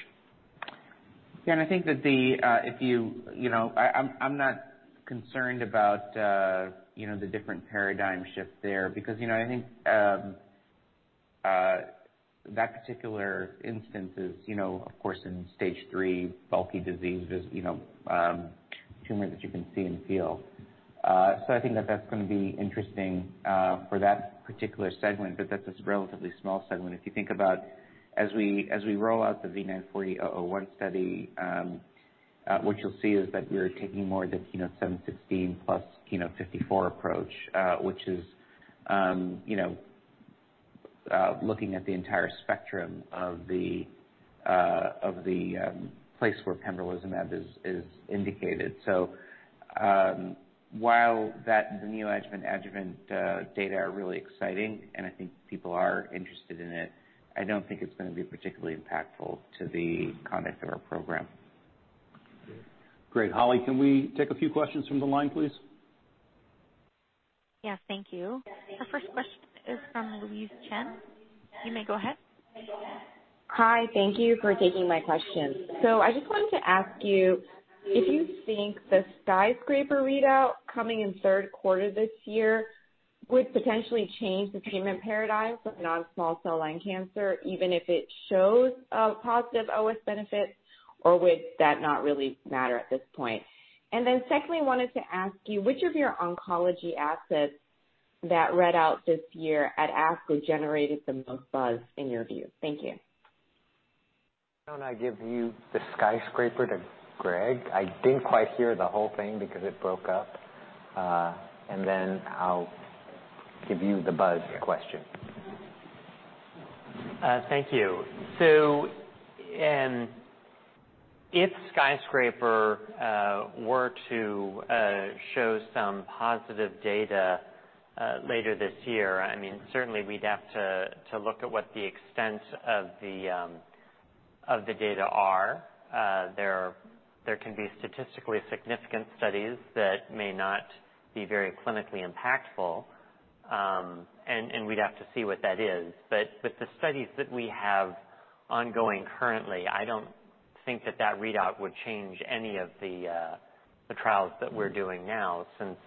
Yeah, I think that the, if you, I'm not concerned about the different paradigm shift there. Because I think that particular instance is, of course, in stage 3, bulky disease is tumor that you can see and feel. I think that that's gonna be interesting for that particular segment, but that's a relatively small segment. If you think about as we roll out the V940-001 study, what you'll see is that we are taking more of the KEYNOTE-716 plus KEYNOTE-054 approach, which is looking at the entire spectrum of the of the place where pembrolizumab is indicated. While the neoadjuvant adjuvant data are really exciting, and I think people are interested in it, I don't think it's gonna be particularly impactful to the conduct of our program. Great. Holly, can we take a few questions from the line, please? Yes, thank you. Our first question is from Louise Chen. You may go ahead. Hi, thank you for taking my question. I just wanted to ask you if you think the Skyscraper readout coming in third quarter this year, would potentially change the treatment paradigm for non-small cell lung cancer, even if it shows a positive OS benefit, or would that not really matter at this point? Secondly, I wanted to ask you, which of your oncology assets that read out this year at ASCO generated the most buzz in your view? Thank you. Why don't I give you the Skyscraper to Greg? I didn't quite hear the whole thing because it broke up. Then I'll give you the buzz question. Thank you. If Skyscraper were to show some positive data later this year, I mean, certainly we'd have to look at what the extent of the data are. There can be statistically significant studies that may not be very clinically impactful, and we'd have to see what that is. But the studies that we have ongoing currently, I don't think that that readout would change any of the trials that we're doing now, since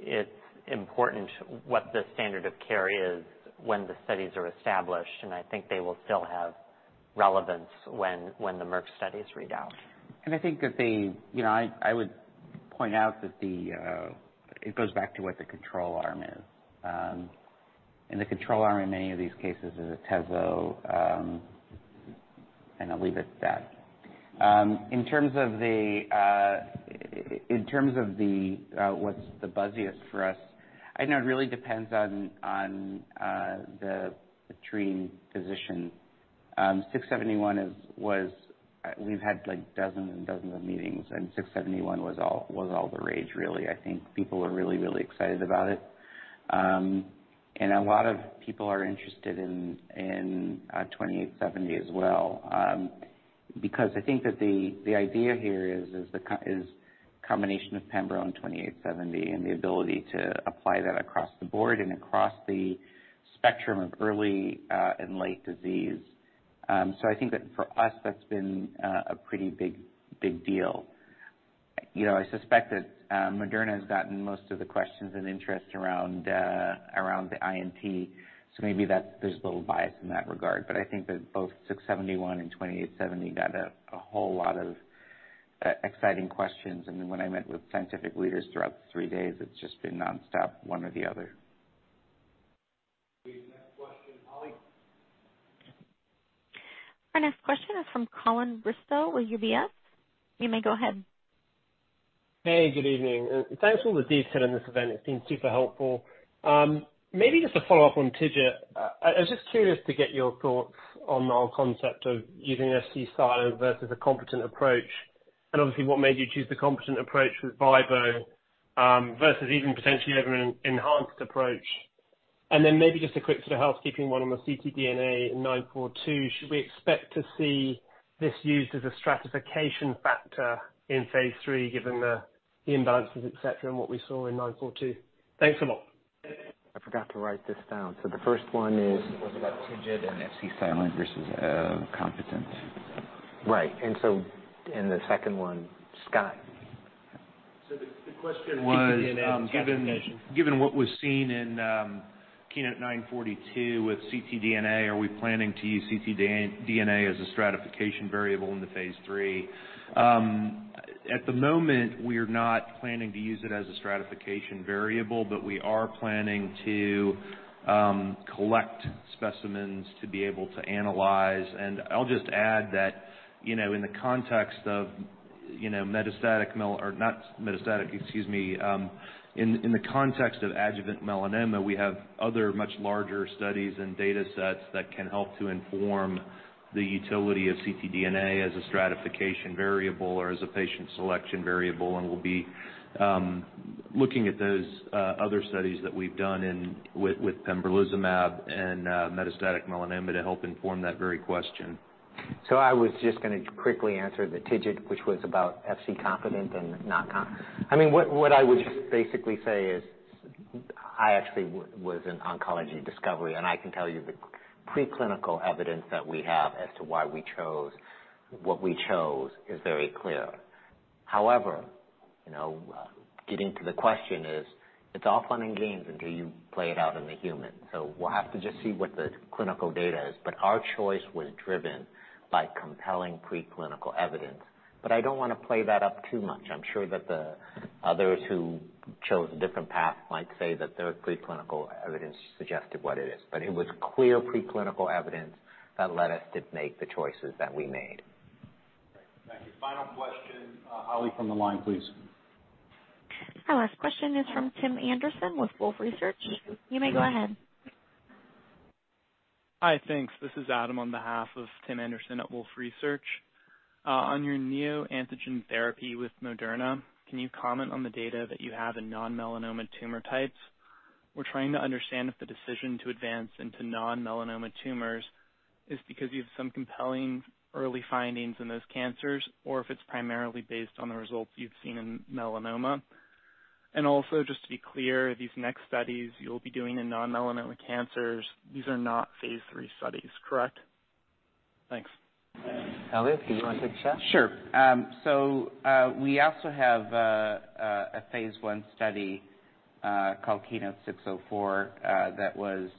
it's important what the standard of care is when the studies are established, and I think they will still have relevance when the Merck studies read out. I think that the. You know, I would point out that the, it goes back to what the control arm is. In the control arm in many of these cases is a Tecentriq, and I'll leave it at that. In terms of the, in terms of the, what's the buzziest for us, I know it really depends on the treating physician. 671 was, we've had, like, dozens and dozens of meetings, and 671 was all the rage, really. I think people are really, really excited about it. A lot of people are interested in 2870 as well, because I think that the idea here is combination of pembro and 2870, and the ability to apply that across the board and across the spectrum of early and late disease. I think that for us, that's been a pretty big, big deal. You know, I suspect that Moderna has gotten most of the questions and interest around the INT, so maybe that's there's a little bias in that regard. I think that both 671 and 2870 got a whole lot of exciting questions. When I met with scientific leaders throughout the three days, it's just been nonstop, one or the other. The next question, Holly? Our next question is from Colin Bristow with UBS. You may go ahead. Hey, good evening, and thanks for all the detail in this event. It's been super helpful. Maybe just to follow up on TIGIT. I was just curious to get your thoughts on our concept of using Fc-silent versus a competent approach. Obviously, what made you choose the competent approach with vibostolimab, versus even potentially having an enhanced approach. Then maybe just a quick sort of housekeeping one on the ctDNA in 942. Should we expect to see this used as a stratification factor in phase III, given the imbalances, et cetera, and what we saw in 942? Thanks a lot. I forgot to write this down. The first one is. Was about TIGIT and Fc-silent versus competent. Right. The second one, Scott. the question was. ctDNA. Given what was seen in KEYNOTE-942 with ctDNA, are we planning to use ctDNA as a stratification variable in the phase III? At the moment, we are not planning to use it as a stratification variable, we are planning to collect specimens to be able to analyze. I'll just add that, you know, in the context of, you know, metastatic or not metastatic, excuse me, in the context of adjuvant melanoma, we have other much larger studies and data sets that can help to inform the utility of ctDNA as a stratification variable or as a patient selection variable. We'll be looking at those other studies that we've done with pembrolizumab and metastatic melanoma to help inform that very question. I was just gonna quickly answer the TIGIT, which was about Fc-competent and not com. I mean, what I would just basically say is I actually was in oncology discovery, and I can tell you the preclinical evidence that we have as to why we chose what we chose is very clear. However, you know, getting to the question is, it's all fun and games until you play it out in the human. We'll have to just see what the clinical data is. Our choice was driven by compelling preclinical evidence. I don't wanna play that up too much. I'm sure that the others who chose a different path might say that their preclinical evidence suggested what it is, but it was clear preclinical evidence that led us to make the choices that we made. Great. Thank you. Final question, Holly, from the line, please. Our last question is from Tim Anderson with Wolfe Research. You may go ahead. Hi, thanks. This is Adam, on behalf of Tim Anderson at Wolfe Research. On your neoantigen therapy with Moderna, can you comment on the data that you have in non-melanoma tumor types? We're trying to understand if the decision to advance into non-melanoma tumors is because you have some compelling early findings in those cancers, or if it's primarily based on the results you've seen in melanoma. Also, just to be clear, these next studies you'll be doing in non-melanoma cancers, these are not phase III studies, correct? Thanks. Eliav, do you want to take a shot? Sure. We also have a phase I study, called KEYNOTE-604, that was...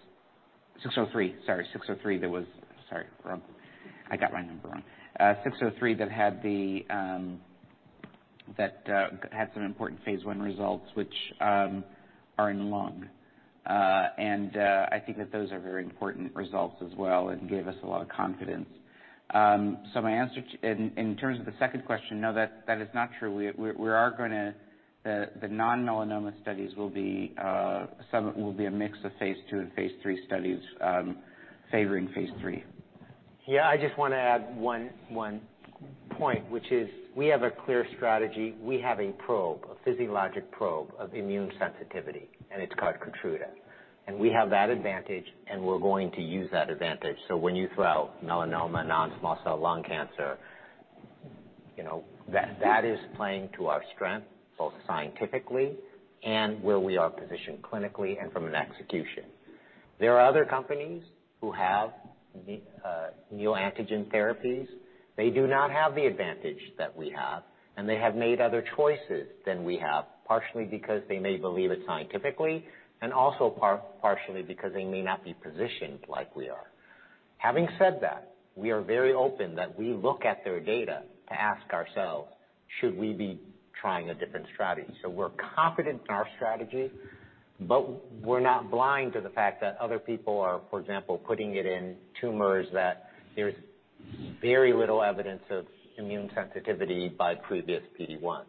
603, sorry, 603. That was sorry, wrong. I got my number wrong. 603 that had the, that had some important phase I results, which are in lung. I think that those are very important results as well and gave us a lot of confidence. My answer to... In, in terms of the second question, no, that is not true. We are gonna, the non-melanoma studies will be, some will be a mix of phase II and phase III studies, favoring phase III. Yeah, I just want to add one point, which is we have a clear strategy. We have a probe, a physiologic probe of immune sensitivity, and it's called KEYTRUDA. We have that advantage, and we're going to use that advantage. When you throw melanoma, non-small cell lung cancer, you know, that is playing to our strength, both scientifically and where we are positioned clinically and from an execution. There are other companies who have neoantigen therapies. They do not have the advantage that we have, and they have made other choices than we have, partially because they may believe it scientifically and also partially because they may not be positioned like we are. Having said that, we are very open that we look at their data to ask ourselves, "Should we be trying a different strategy?" We're confident in our strategy, but we're not blind to the fact that other people are, for example, putting it in tumors that there's very little evidence of immune sensitivity by previous PD-1s.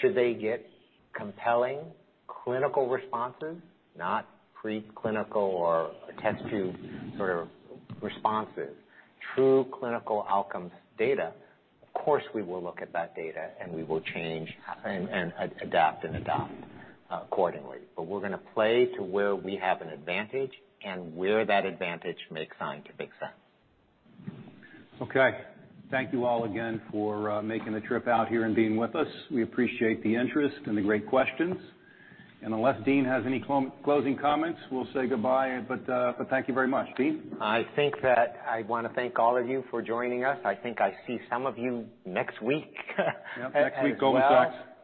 Should they get compelling clinical responses, not preclinical or a test tube sort of responses, true clinical outcomes data, of course, we will look at that data, and we will change and adapt and adopt accordingly. We're gonna play to where we have an advantage and where that advantage makes scientific sense. Okay. Thank you all again for making the trip out here and being with us. We appreciate the interest and the great questions. Unless Dean has any closing comments, we'll say goodbye, but thank you very much. Dean? I think that I want to thank all of you for joining us. I think I see some of you next week. Yep, next week, go with that.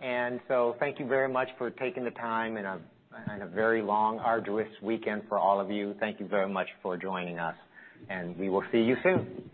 Thank you very much for taking the time and a very long, arduous weekend for all of you. Thank you very much for joining us, and we will see you soon.